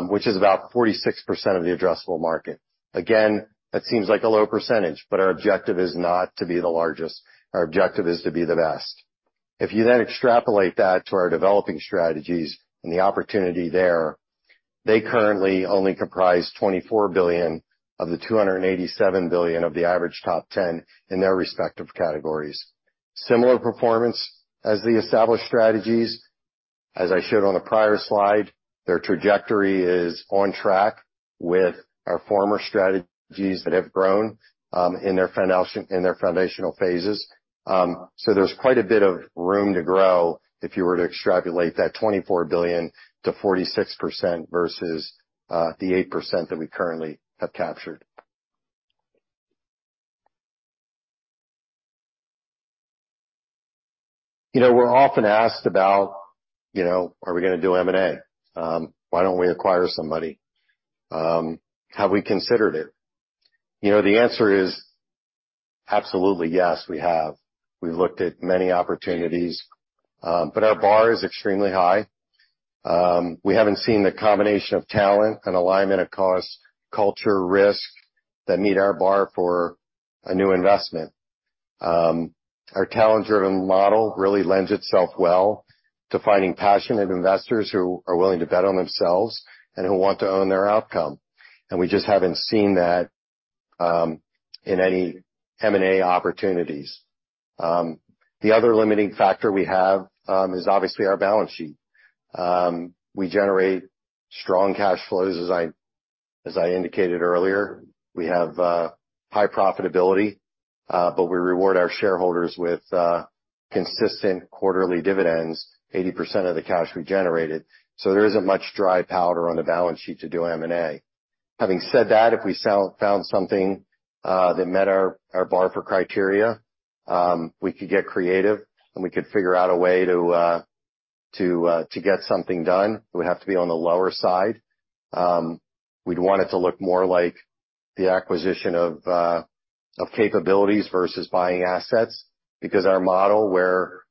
which is about 46% of the addressable market. Again, that seems like a low percentage, but our objective is not to be the largest. Our objective is to be the best. If you then extrapolate that to our developing strategies and the opportunity there, they currently only comprise $24 billion of the $287 billion of the average top 10 in their respective categories. Similar performance as the established strategies. As I showed on the prior slide, their trajectory is on track with our former strategies that have grown in their foundational phases. So there's quite a bit of room to grow if you were to extrapolate that $24 billion to 46% versus the 8% that we currently have captured. You know, we're often asked about, you know, are we gonna do M&A? Why don't we acquire somebody? Have we considered it? You know, the answer is absolutely yes, we have. We've looked at many opportunities, but our bar is extremely high. We haven't seen the combination of talent and alignment of cost, culture, risk, that meet our bar for a new investment. Our talent-driven model really lends itself well to finding passionate investors who are willing to bet on themselves and who want to own their outcome, and we just haven't seen that in any M&A opportunities. The other limiting factor we have is obviously our balance sheet. We generate strong cash flows, as I indicated earlier. We have high profitability, but we reward our shareholders with consistent quarterly dividends, 80% of the cash we generated, so there isn't much dry powder on the balance sheet to do an M&A. Having said that, if we found something that met our bar for criteria, we could get creative, and we could figure out a way to get something done. It would have to be on the lower side. We'd want it to look more like the acquisition of, of capabilities versus buying assets, because our model where,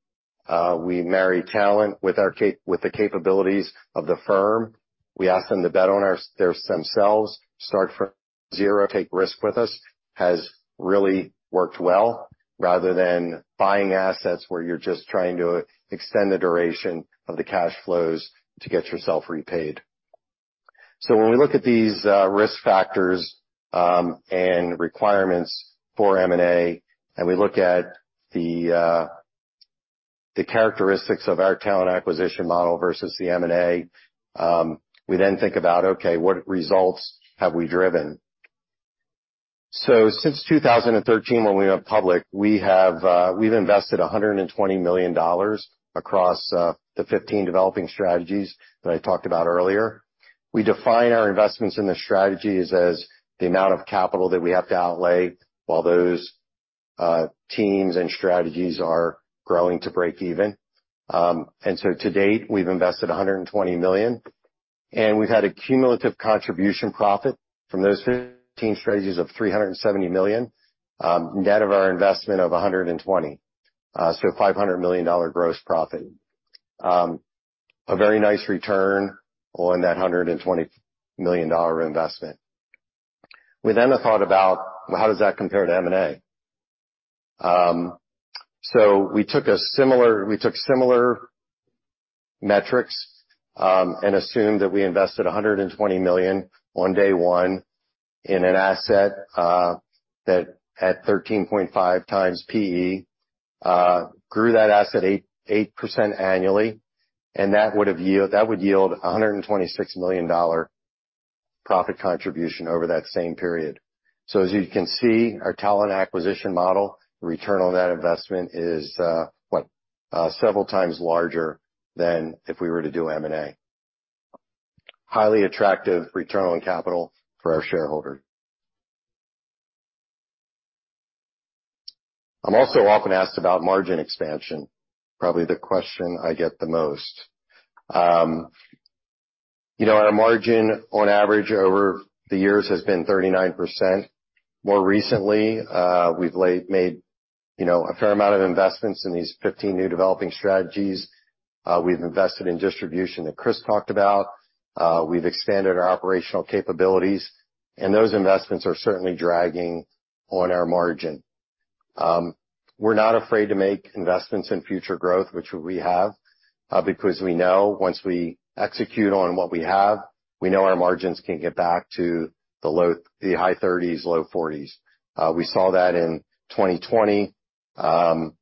we marry talent with the capabilities of the firm, we ask them to bet on themselves, start from zero, take risk with us, has really worked well, rather than buying assets, where you're just trying to extend the duration of the cash flows to get yourself repaid. So when we look at these, risk factors, and requirements for M&A, and we look at the, the characteristics of our talent acquisition model versus the M&A, we then think about, okay, what results have we driven? So since 2013, when we went public, we have, we've invested $120 million across, the 15 developing strategies that I talked about earlier. We define our investments in the strategies as the amount of capital that we have to outlay while those teams and strategies are growing to break even. So to date, we've invested $120 million, and we've had a cumulative contribution profit from those 15 strategies of $370 million, net of our investment of $120 million. $500 million dollar gross profit. A very nice return on that $120 million dollar investment. We then thought about, well, how does that compare to M&A? We took similar metrics and assumed that we invested $120 million on day one in an asset that at 13.5x PE grew that asset 8% annually, and that would yield a $126 million dollar profit contribution over that same period. So as you can see, our talent acquisition model, return on that investment is, what? Several times larger than if we were to do M&A. Highly attractive return on capital for our shareholder. I'm also often asked about margin expansion. Probably the question I get the most. You know, our margin on average over the years has been 39%. More recently, we've made, you know, a fair amount of investments in these 15 new developing strategies. We've invested in distribution, that Chris talked about. We've expanded our operational capabilities, and those investments are certainly dragging on our margin. We're not afraid to make investments in future growth, which we have, because we know once we execute on what we have, we know our margins can get back to the high thirties, low forties. We saw that in 2020, or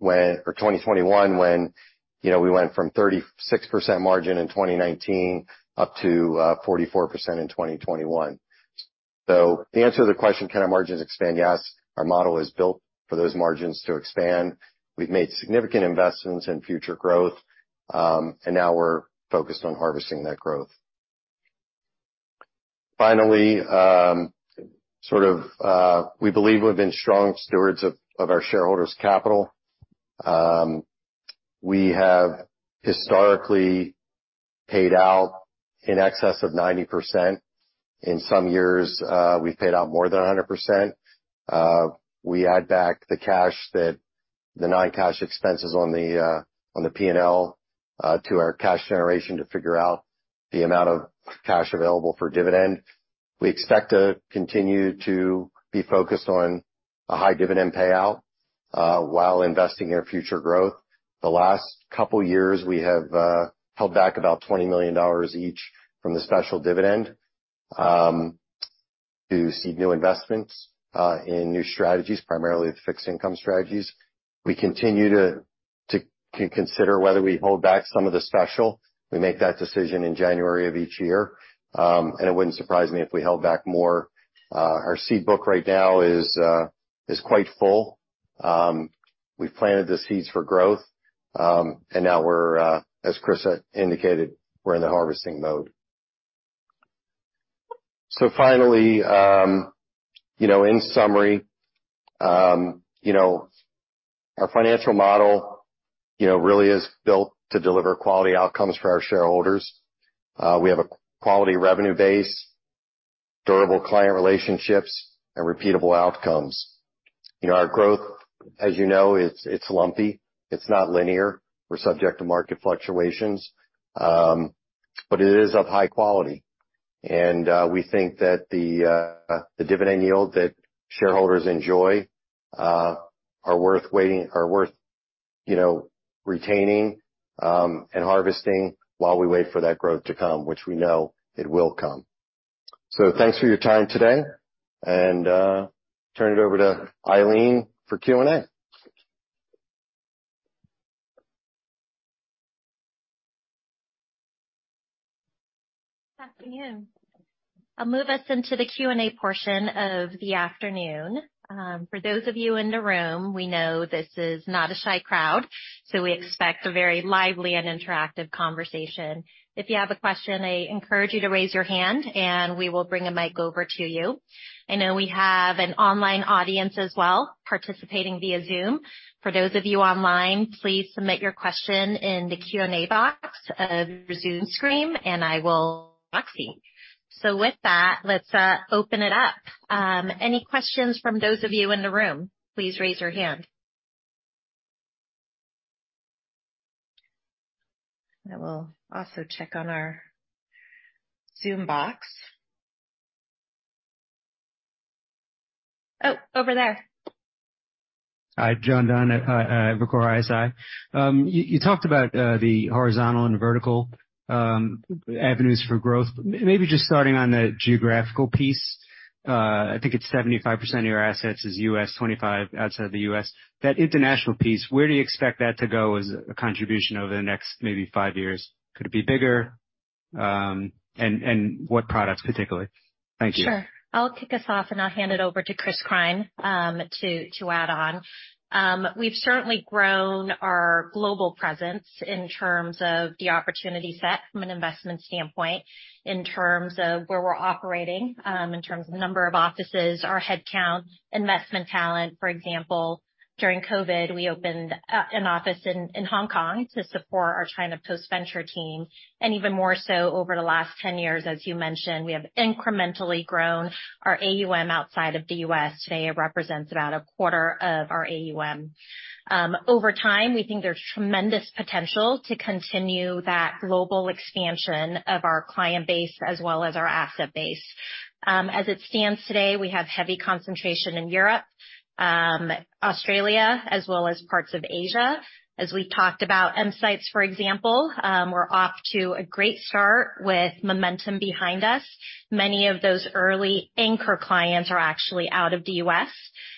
2021, when, you know, we went from 36% margin in 2019 up to, 44% in 2021. So the answer to the question: Can our margins expand? Yes, our model is built for those margins to expand. We've made significant investments in future growth, and now we're focused on harvesting that growth. Finally, sort of, we believe we've been strong stewards of our shareholders' capital. We have historically-... paid out in excess of 90%. In some years, we've paid out more than 100%. We add back the cash that the non-cash expenses on the, on the P&L, to our cash generation to figure out the amount of cash available for dividend. We expect to continue to be focused on a high dividend payout, while investing in our future growth. The last couple years, we have held back about $20 million each from the special dividend, to seed new investments, in new strategies, primarily with fixed income strategies. We continue to consider whether we hold back some of the special. We make that decision in January of each year. And it wouldn't surprise me if we held back more. Our seed book right now is quite full. We've planted the seeds for growth, and now we're, as Chris indicated, we're in the harvesting mode. So finally, you know, in summary, you know, our financial model, you know, really is built to deliver quality outcomes for our shareholders. We have a quality revenue base, durable client relationships, and repeatable outcomes. You know, our growth, as you know, it's, it's lumpy, it's not linear. We're subject to market fluctuations, but it is of high quality. And, we think that the, the dividend yield that shareholders enjoy, are worth waiting- are worth, you know, retaining, and harvesting while we wait for that growth to come, which we know it will come. So thanks for your time today, and, turn it over to Eileen for Q&A. Good afternoon. I'll move us into the Q&A portion of the afternoon. For those of you in the room, we know this is not a shy crowd, so we expect a very lively and interactive conversation. If you have a question, I encourage you to raise your hand, and we will bring a mic over to you. I know we have an online audience as well, participating via Zoom. For those of you online, please submit your question in the Q&A box of your Zoom screen, and I will proxy. So with that, let's open it up. Any questions from those of you in the room? Please raise your hand. I will also check on our Zoom box. Oh, over there. Hi, John Dunn at Wolfe ISI. You talked about the horizontal and vertical avenues for growth. Maybe just starting on the geographical piece, I think it's 75% of your assets is U.S., 25 outside of the U.S. That international piece, where do you expect that to go as a contribution over the next maybe five years? Could it be bigger? And what products particularly? Thank you. Sure. I'll kick us off, and I'll hand it over to Chris Krein to add on. We've certainly grown our global presence in terms of the opportunity set from an investment standpoint, in terms of where we're operating, in terms of the number of offices, our head count, investment talent. For example, during COVID, we opened an office in Hong Kong to support our China Post-Venture Team, and even more so over the last 10 years, as you mentioned, we have incrementally grown our AUM outside of the U.S. Today, it represents about a quarter of our AUM. Over time, we think there's tremendous potential to continue that global expansion of our client base as well as our asset base. As it stands today, we have heavy concentration in Europe, Australia, as well as parts of Asia. As we've talked about, EMsights, for example, we're off to a great start with momentum behind us. Many of those early anchor clients are actually out of the US.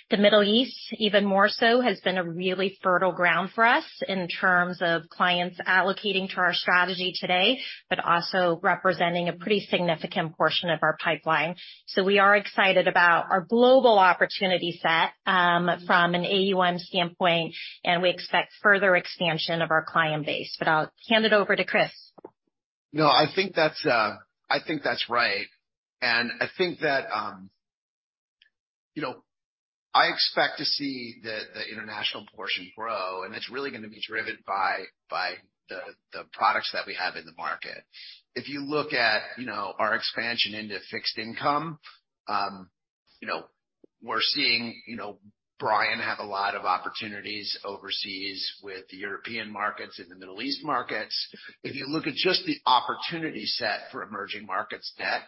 The Middle East, even more so, has been a really fertile ground for us in terms of clients allocating to our strategy today, but also representing a pretty significant portion of our pipeline. So we are excited about our global opportunity set, from an AUM standpoint, and we expect further expansion of our client base. But I'll hand it over to Chris. No, I think that's, I think that's right. And I think that, you know, I expect to see the, the international portion grow, and it's really going to be driven by, by the, the products that we have in the market. If you look at, you know, our expansion into fixed income, you know, we're seeing, you know, Brian have a lot of opportunities overseas with the European markets and the Middle East markets. If you look at just the opportunity set for emerging markets debt,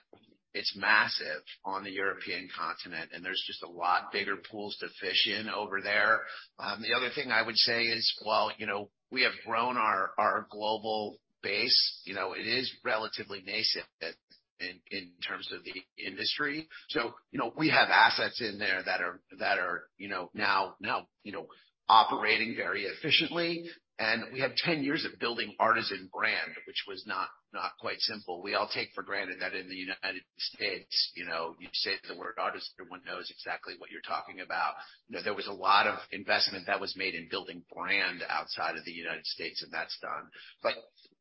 it's massive on the European continent, and there's just a lot bigger pools to fish in over there. The other thing I would say is, while, you know, we have grown our, our global base, you know, it is relatively nascent in, in terms of the industry. So, you know, we have assets in there that are, you know, now operating very efficiently. And we have 10 years of building Artisan brand, which was not quite simple. We all take for granted that in the United States, you know, you say the word Artisan, everyone knows exactly what you're talking about. You know, there was a lot of investment that was made in building brand outside of the United States, and that's done. But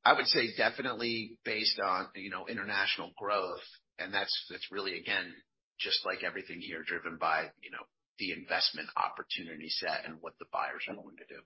I would say definitely based on, you know, international growth, and that's really, again-... just like everything here, driven by, you know, the investment opportunity set and what the buyers are willing to do.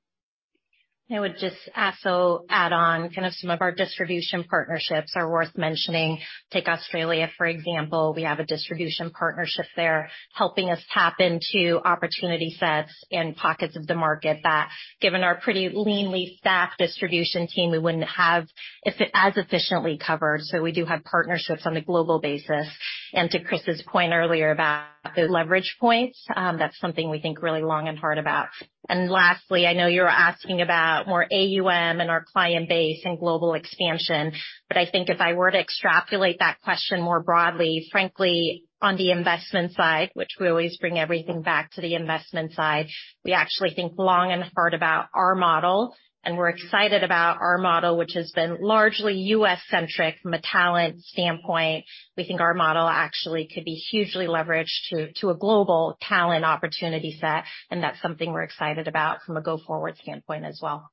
I would just also add on, kind of, some of our distribution partnerships are worth mentioning. Take Australia, for example. We have a distribution partnership there, helping us tap into opportunity sets and pockets of the market that, given our pretty leanly staffed distribution team, we wouldn't have as efficiently covered. So we do have partnerships on a global basis. And to Chris's point earlier about the leverage points, that's something we think really long and hard about. And lastly, I know you were asking about more AUM and our client base and global expansion, but I think if I were to extrapolate that question more broadly, frankly, on the investment side, which we always bring everything back to the investment side, we actually think long and hard about our model, and we're excited about our model, which has been largely U.S.-centric from a talent standpoint. We think our model actually could be hugely leveraged to, to a global talent opportunity set, and that's something we're excited about from a go-forward standpoint as well.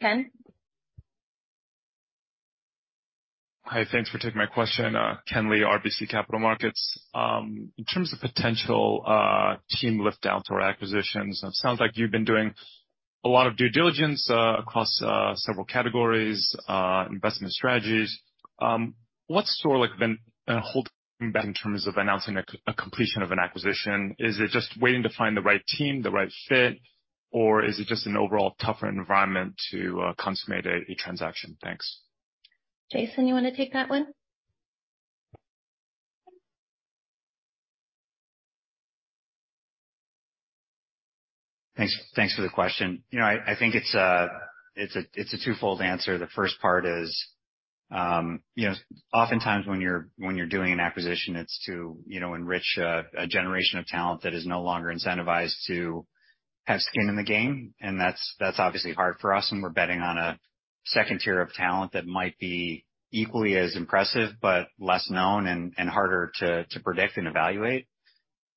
Ken? Hi, thanks for taking my question. Ken Lee, RBC Capital Markets. In terms of potential team lift outs or acquisitions, it sounds like you've been doing a lot of due diligence across several categories investment strategies. What's sort of, like, been holding back in terms of announcing a completion of an acquisition? Is it just waiting to find the right team, the right fit, or is it just an overall tougher environment to consummate a transaction? Thanks. Jason, you want to take that one? Thanks. Thanks for the question. You know, I think it's a twofold answer. The first part is, you know, oftentimes when you're doing an acquisition, it's to, you know, enrich a generation of talent that is no longer incentivized to have skin in the game. And that's obviously hard for us, and we're betting on a second tier of talent that might be equally as impressive, but less known and harder to predict and evaluate.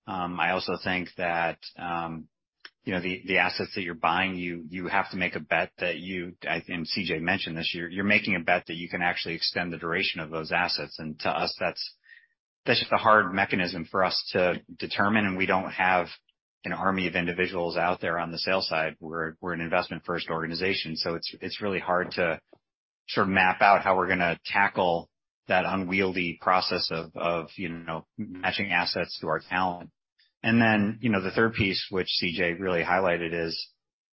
I also think that, you know, the assets that you're buying, you have to make a bet that you... And C.J. mentioned this, you're making a bet that you can actually extend the duration of those assets. And to us, that's, that's just a hard mechanism for us to determine, and we don't have an army of individuals out there on the sales side. We're, we're an investment-first organization, so it's, it's really hard to sort of map out how we're gonna tackle that unwieldy process of, of, you know, matching assets to our talent. And then, you know, the third piece, which C.J. really highlighted, is,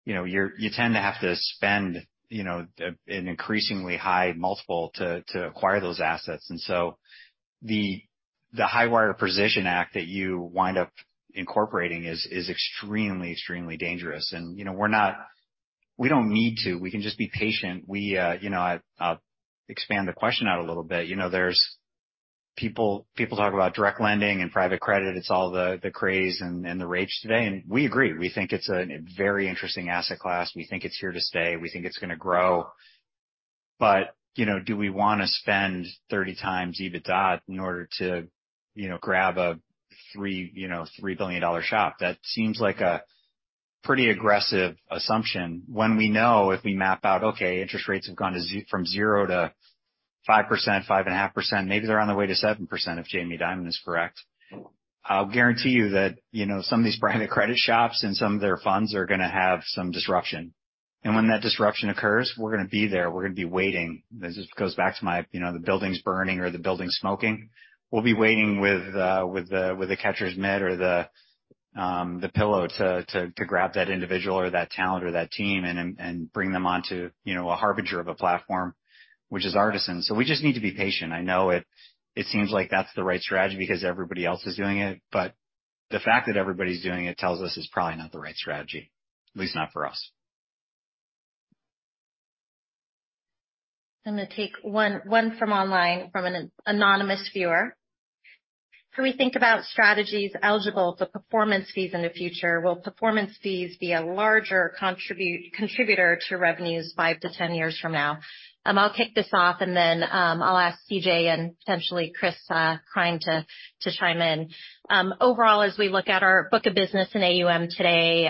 you know, you tend to have to spend, you know, an increasingly high multiple to, to acquire those assets. And so the, the high wire position act that you wind up incorporating is, is extremely, extremely dangerous. And, you know, we're not. We don't need to. We can just be patient. We, you know, I, I'll expand the question out a little bit. You know, there's people, people talk about direct lending and private credit. It's all the craze and the rage today, and we agree. We think it's a very interesting asset class. We think it's here to stay. We think it's gonna grow. But, you know, do we want to spend 30x EBITDA in order to, you know, grab a $3 billion shop? That seems like a pretty aggressive assumption when we know if we map out, okay, interest rates have gone from 0 to 5%, 5.5%. Maybe they're on their way to 7%, if Jamie Dimon is correct. I'll guarantee you that, you know, some of these private credit shops and some of their funds are gonna have some disruption. And when that disruption occurs, we're gonna be there. We're gonna be waiting. This just goes back to my, you know, the building's burning or the building's smoking. We'll be waiting with the catcher's mitt or the pillow to grab that individual or that talent or that team and bring them onto, you know, a harbinger of a platform, which is Artisan. So we just need to be patient. I know it seems like that's the right strategy because everybody else is doing it, but the fact that everybody's doing it tells us it's probably not the right strategy, at least not for us. I'm gonna take one from online, from an anonymous viewer. How do we think about strategies eligible for performance fees in the future? Will performance fees be a larger contributor to revenues 5-10 years from now? I'll kick this off, and then, I'll ask C.J., and potentially Chris Krein to chime in. Overall, as we look at our book of business in AUM today,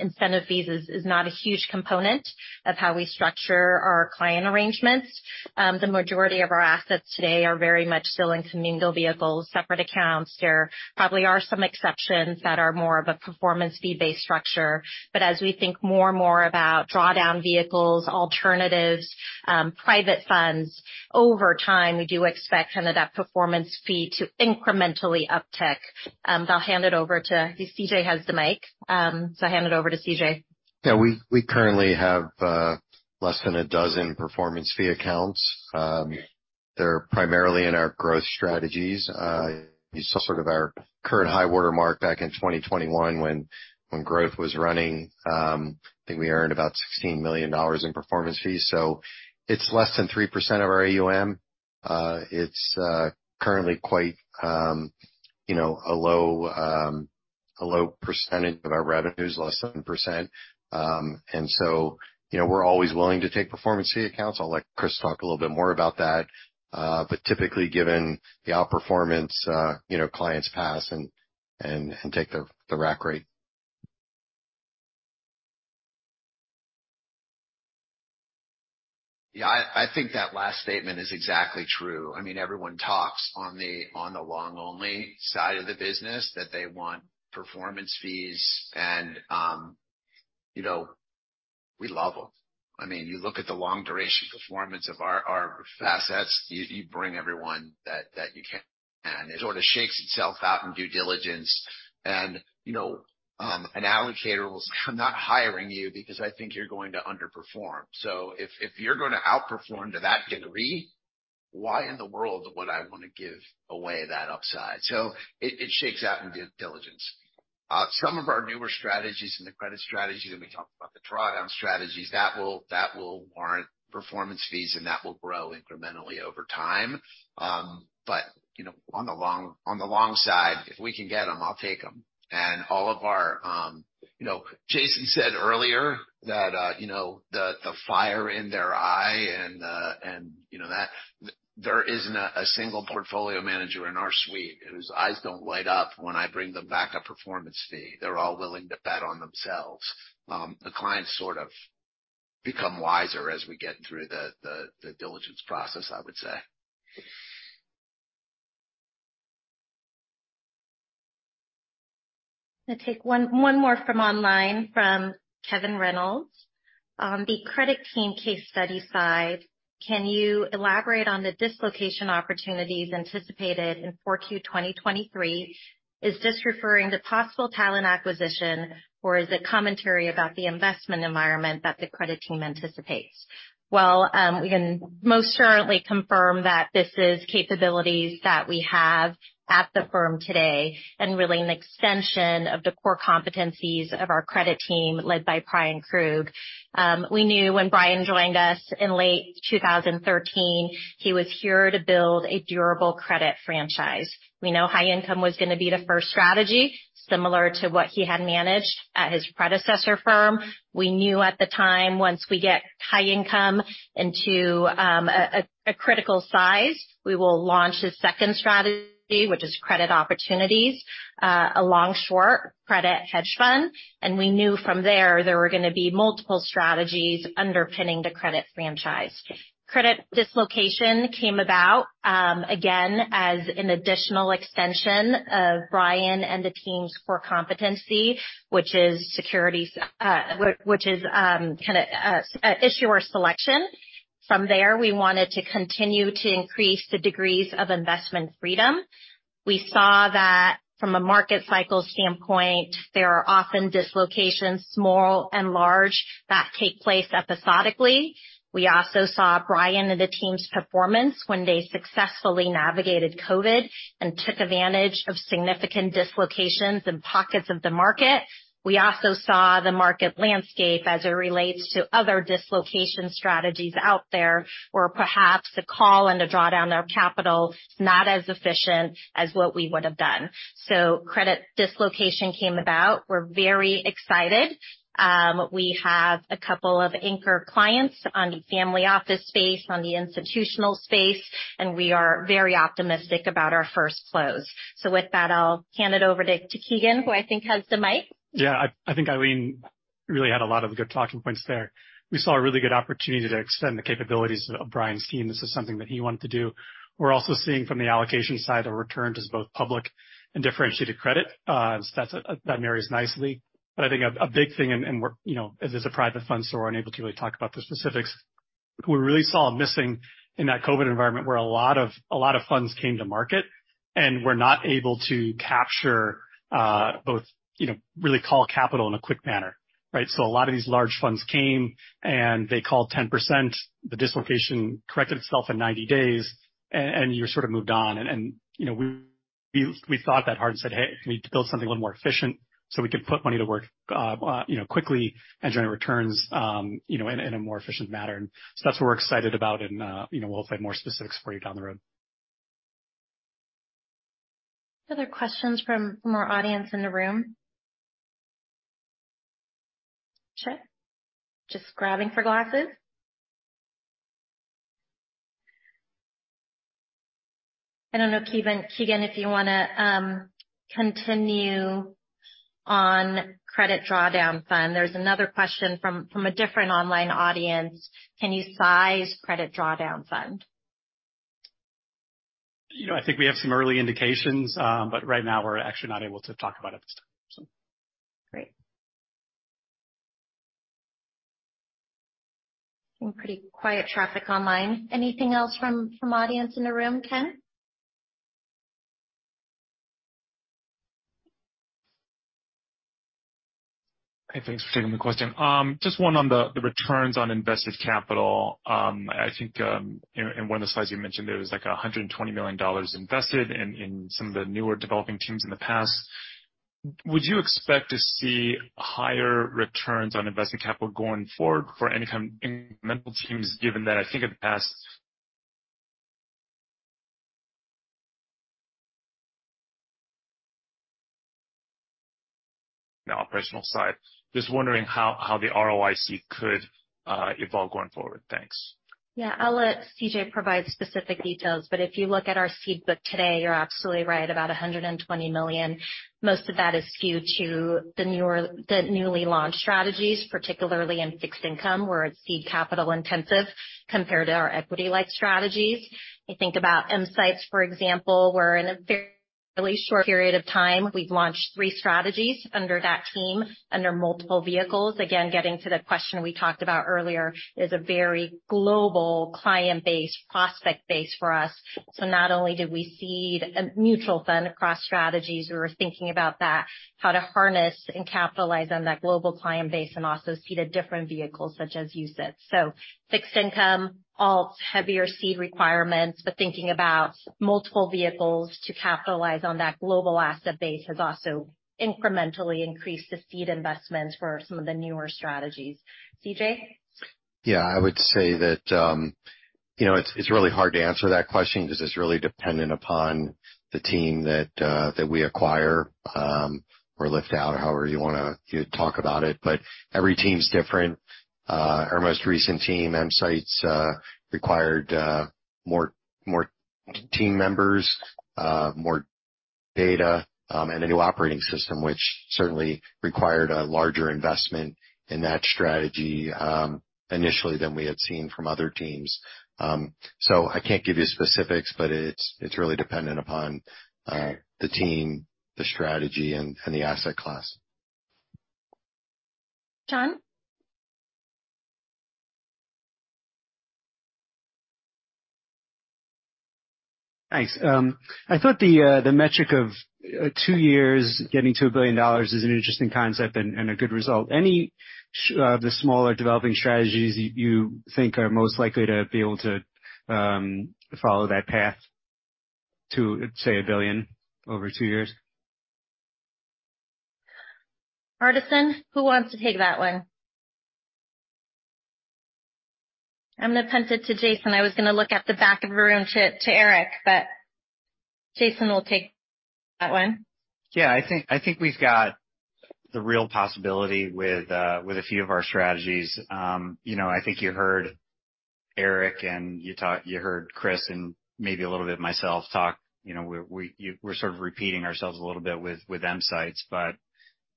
incentive fees is not a huge component of how we structure our client arrangements. The majority of our assets today are very much still in commingled vehicles, separate accounts. There probably are some exceptions that are more of a performance fee-based structure, but as we think more and more about drawdown vehicles, alternatives, private funds, over time, we do expect kind of that performance fee to incrementally uptick. I'll hand it over to... C.J. has the mic, so I'll hand it over to C.J. Yeah, we currently have less than a dozen performance fee accounts. They're primarily in our growth strategies. You saw sort of our current high water mark back in 2021 when growth was running. I think we earned about $16 million in performance fees, so it's less than 3% of our AUM. It's currently quite, you know, a low percentage of our revenues, less than 7%. And so, you know, we're always willing to take performance fee accounts. I'll let Chris talk a little bit more about that. But typically, given the outperformance, you know, clients pass and take the rack rate. ... Yeah, I think that last statement is exactly true. I mean, everyone talks on the long-only side of the business, that they want performance fees. And, you know, we love them. I mean, you look at the long duration performance of our assets, you bring everyone that you can. It sort of shakes itself out in due diligence. And, you know, an allocator will, "I'm not hiring you because I think you're going to underperform. So if you're going to outperform to that degree, why in the world would I want to give away that upside?" So it shakes out in due diligence. Some of our newer strategies in the credit strategy, when we talk about the drawdown strategies, that will warrant performance fees, and that will grow incrementally over time. But, you know, on the long, on the long side, if we can get them, I'll take them. And all of our... You know, Jason said earlier that, you know, the fire in their eye and, and, you know that, there isn't a single portfolio manager in our suite whose eyes don't light up when I bring them back a performance fee. They're all willing to bet on themselves. The clients sort of become wiser as we get through the diligence process, I would say. I'll take one more from online, from Kevin Reynolds. The credit team case study side, can you elaborate on the Dislocation Opportunities anticipated in Q4 2023? Is this referring to possible talent acquisition, or is it commentary about the investment environment that the credit team anticipates? Well, we can most certainly confirm that this is capabilities that we have at the firm today, and really an extension of the core competencies of our credit team, led by Bryan Krug. We knew when Bryan joined us in late 2013, he was here to build a durable credit franchise. We know high income was going to be the first strategy, similar to what he had managed at his predecessor firm. We knew at the time, once we get High Income into a critical size, we will launch his second strategy, which is Credit Opportunities, a long-short credit hedge fund. We knew from there, there were going to be multiple strategies underpinning the credit franchise. Credit Dislocation came about, again, as an additional extension of Bryan and the team's core competency, which is securities, which is kind of issuer selection. From there, we wanted to continue to increase the degrees of investment freedom. We saw that from a market cycle standpoint, there are often dislocations, small and large, that take place episodically. We also saw Bryan and the team's performance when they successfully navigated COVID, and took advantage of significant dislocations in pockets of the market. We also saw the market landscape as it relates to other dislocation strategies out there, where perhaps a call and a drawdown of capital is not as efficient as what we would have done. So Credit Dislocation came about. We're very excited. We have a couple of anchor clients on the family office space, on the institutional space, and we are very optimistic about our first close. So with that, I'll hand it over to Keegan, who I think has the mic. Yeah, I think Eileen really had a lot of good talking points there. We saw a really good opportunity to extend the capabilities of Bryan's team. This is something that he wanted to do. We're also seeing from the allocation side, a return to both public and differentiated credit, so that's, that marries nicely. But I think a big thing, and we're, you know, as it's a private fund, so we're unable to really talk about the specifics. We really saw a missing in that COVID environment, where a lot of, a lot of funds came to market and were not able to capture, both, you know, really call capital in a quick manner, right? So a lot of these large funds came, and they called 10%. The dislocation corrected itself in 90 days, and you were sort of moved on. you know, we thought that hard and said: Hey, we need to build something a little more efficient, so we can put money to work, you know, quickly, and generate returns, you know, in a more efficient manner. So that's what we're excited about, and you know, we'll have more specifics for you down the road. Other questions from our audience in the room? Sure. Just grabbing for glasses. I don't know, Keegan, if you want to continue on credit drawdown fund. There's another question from a different online audience: Can you size credit drawdown fund? You know, I think we have some early indications, but right now we're actually not able to talk about it at this time, so. Great. Some pretty quiet traffic online. Anything else from audience in the room? Ken? Hey, thanks for taking the question. Just one on the returns on invested capital. I think in one of the slides you mentioned, there was, like, $120 million invested in some of the newer developing teams in the past. Would you expect to see higher returns on invested capital going forward for any kind of incremental teams, given that I think in the past... The operational side. Just wondering how the ROIC could evolve going forward? Thanks.... Yeah, I'll let C.J. provide specific details, but if you look at our seed book today, you're absolutely right, about $120 million. Most of that is skewed to the newer—the newly launched strategies, particularly in fixed income, where it's seed capital intensive compared to our equity-like strategies. You think about EMsights, for example, where in a very really short period of time, we've launched 3 strategies under that team, under multiple vehicles. Again, getting to the question we talked about earlier, is a very global client base, prospect base for us. So not only did we seed a mutual fund across strategies, we were thinking about that, how to harness and capitalize on that global client base and also seed a different vehicle such as UCITS. So fixed income, all heavier seed requirements, but thinking about multiple vehicles to capitalize on that global asset base has also incrementally increased the seed investments for some of the newer strategies. C.J.? Yeah, I would say that, you know, it's really hard to answer that question because it's really dependent upon the team that we acquire, or lift out, or however you wanna talk about it, but every team's different. Our most recent team, EMsights, required more team members, more data, and a new operating system, which certainly required a larger investment in that strategy, initially, than we had seen from other teams. So I can't give you specifics, but it's really dependent upon the team, the strategy, and the asset class. John? Thanks. I thought the metric of 2 years getting to $1 billion is an interesting concept and a good result. Any, the smaller developing strategies you think are most likely to be able to follow that path to, say, $1 billion over 2 years? Artisan, who wants to take that one? I'm going to punt it to Jason. I was going to look at the back of the room to Eric, but Jason will take that one. Yeah, I think, I think we've got the real possibility with a few of our strategies. You know, I think you heard Eric, and you heard Chris and maybe a little bit of myself talk. You know, we're sort of repeating ourselves a little bit with EMsights, but,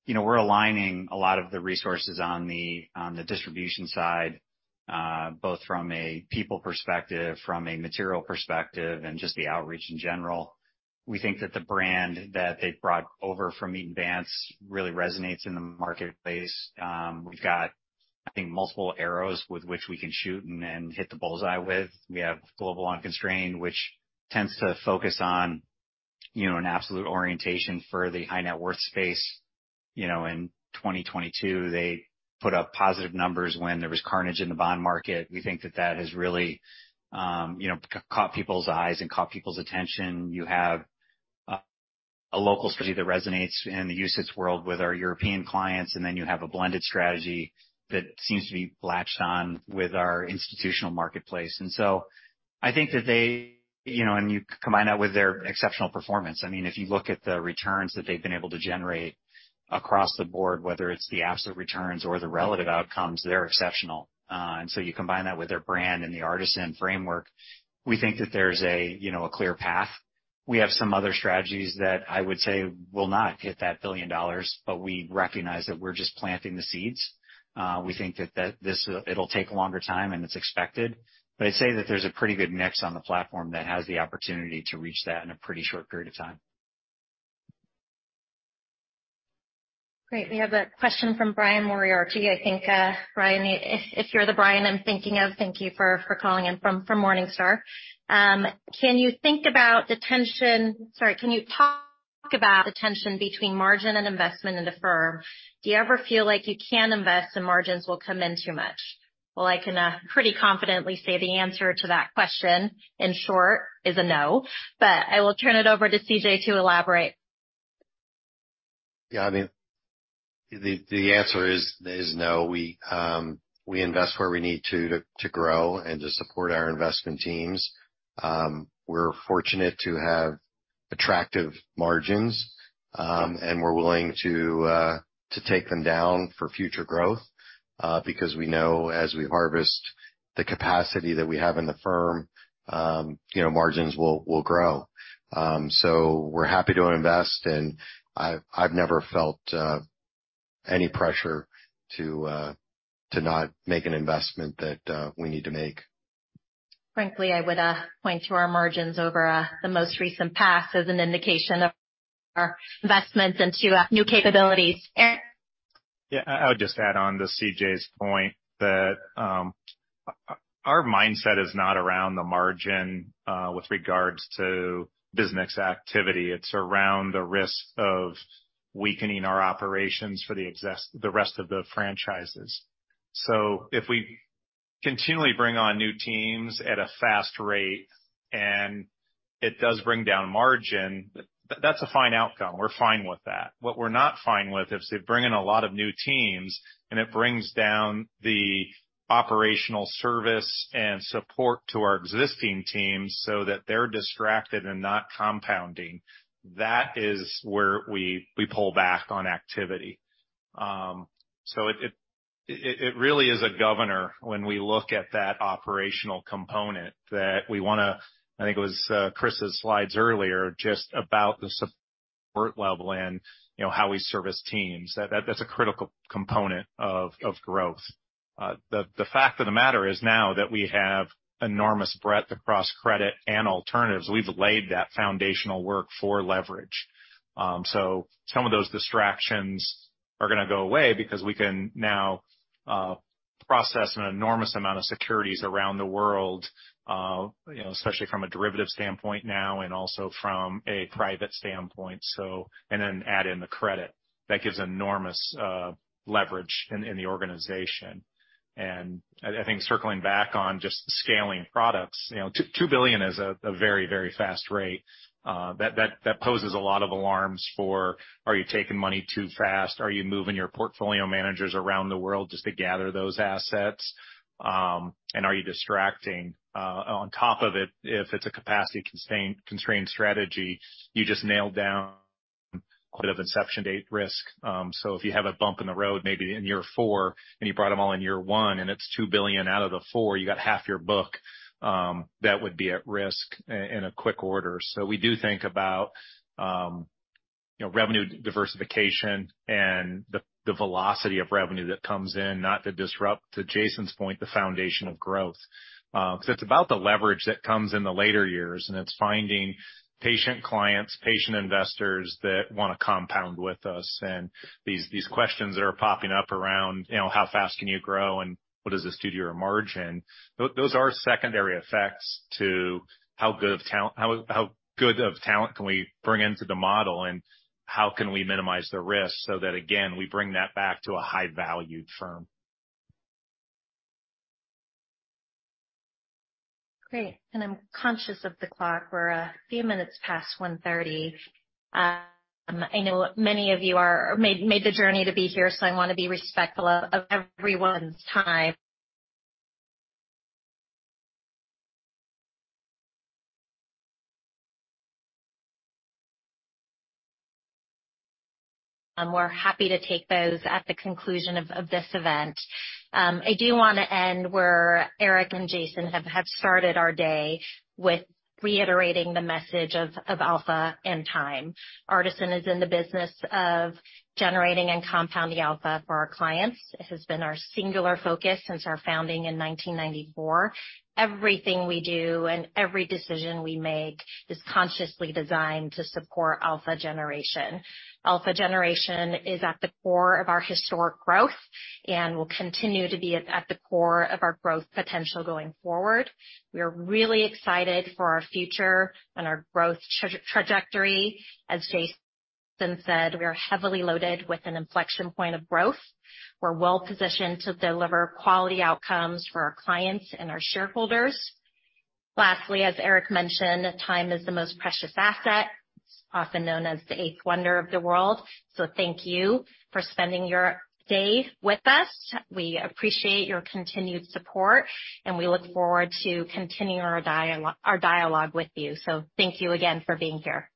you know, we're aligning a lot of the resources on the distribution side, both from a people perspective, from a material perspective, and just the outreach in general. We think that the brand that they've brought over from Eaton Vance really resonates in the marketplace. We've got, I think, multiple arrows with which we can shoot and then hit the bull's-eye with. We have Global Unconstrained, which tends to focus on, you know, an absolute orientation for the high net worth space. You know, in 2022, they put up positive numbers when there was carnage in the bond market. We think that that has really, you know, caught people's eyes and caught people's attention. You have a local strategy that resonates in the UCITS world with our European clients, and then you have a blended strategy that seems to be latched on with our institutional marketplace. And so I think that they, you know, and you combine that with their exceptional performance, I mean, if you look at the returns that they've been able to generate across the board, whether it's the absolute returns or the relative outcomes, they're exceptional. And so you combine that with their brand and the Artisan framework, we think that there's a, you know, a clear path. We have some other strategies that I would say will not hit that $1 billion, but we recognize that we're just planting the seeds. We think that this, it'll take a longer time, and it's expected. But I'd say that there's a pretty good mix on the platform that has the opportunity to reach that in a pretty short period of time. Great. We have a question from Brian Moriarty. I think, Brian, if you're the Brian I'm thinking of, thank you for calling in from Morningstar. Can you think about the tension... Sorry, can you talk about the tension between margin and investment in the firm? Do you ever feel like you can invest and margins will come in too much? Well, I can pretty confidently say the answer to that question, in short, is a no. But I will turn it over to C.J. to elaborate. Yeah, I mean, the answer is no. We invest where we need to grow and to support our investment teams. We're fortunate to have attractive margins, and we're willing to take them down for future growth, because we know as we harvest the capacity that we have in the firm, you know, margins will grow. So we're happy to invest, and I've never felt any pressure to not make an investment that we need to make. Frankly, I would point to our margins over the most recent past as an indication of our investments into new capabilities. Eric? Yeah, I would just add on to C.J.'s point that, our mindset is not around the margin, with regards to business activity. It's around the risk of weakening our operations for the rest of the franchises. So if we continually bring on new teams at a fast rate, and it does bring down margin, that's a fine outcome. We're fine with that. What we're not fine with is to bring in a lot of new teams, and it brings down the operational service and support to our existing teams so that they're distracted and not compounding. That is where we pull back on activity.... So it really is a governor when we look at that operational component that we want to—I think it was Chris's slides earlier, just about the support level and, you know, how we service teams. That's a critical component of growth. The fact of the matter is now that we have enormous breadth across credit and alternatives, we've laid that foundational work for leverage. So some of those distractions are gonna go away because we can now process an enormous amount of securities around the world, you know, especially from a derivative standpoint now, and also from a private standpoint, so—and then add in the credit. That gives enormous leverage in the organization. I think circling back on just scaling products, you know, $2 billion is a very fast rate. That poses a lot of alarms for: are you taking money too fast? Are you moving your portfolio managers around the world just to gather those assets? And are you distracting, on top of it, if it's a capacity constrained strategy, you just nailed down a bit of inception date risk. So if you have a bump in the road, maybe in year 4, and you brought them all in year 1, and it's $2 billion out of the 4, you got half your book, that would be at risk in a quick order. So we do think about, you know, revenue diversification and the, the velocity of revenue that comes in, not to disrupt, to Jason's point, the foundation of growth. Because it's about the leverage that comes in the later years, and it's finding patient clients, patient investors that want to compound with us. And these, these questions that are popping up around, you know, how fast can you grow and what does this do to your margin? Those are secondary effects to how good of talent can we bring into the model, and how can we minimize the risk so that, again, we bring that back to a high-value firm. Great, and I'm conscious of the clock. We're a few minutes past 1:30 P.M. I know many of you made the journey to be here, so I want to be respectful of everyone's time. And we're happy to take those at the conclusion of this event. I do want to end where Eric and Jason have started our day, with reiterating the message of alpha and time. Artisan is in the business of generating and compounding alpha for our clients. It has been our singular focus since our founding in 1994. Everything we do and every decision we make is consciously designed to support alpha generation. Alpha generation is at the core of our historic growth and will continue to be at the core of our growth potential going forward. We are really excited for our future and our growth trajectory. As Jason said, we are heavily loaded with an inflection point of growth. We're well positioned to deliver quality outcomes for our clients and our shareholders. Lastly, as Eric mentioned, time is the most precious asset, often known as the eighth wonder of the world. So thank you for spending your day with us. We appreciate your continued support, and we look forward to continuing our dialogue with you. So thank you again for being here.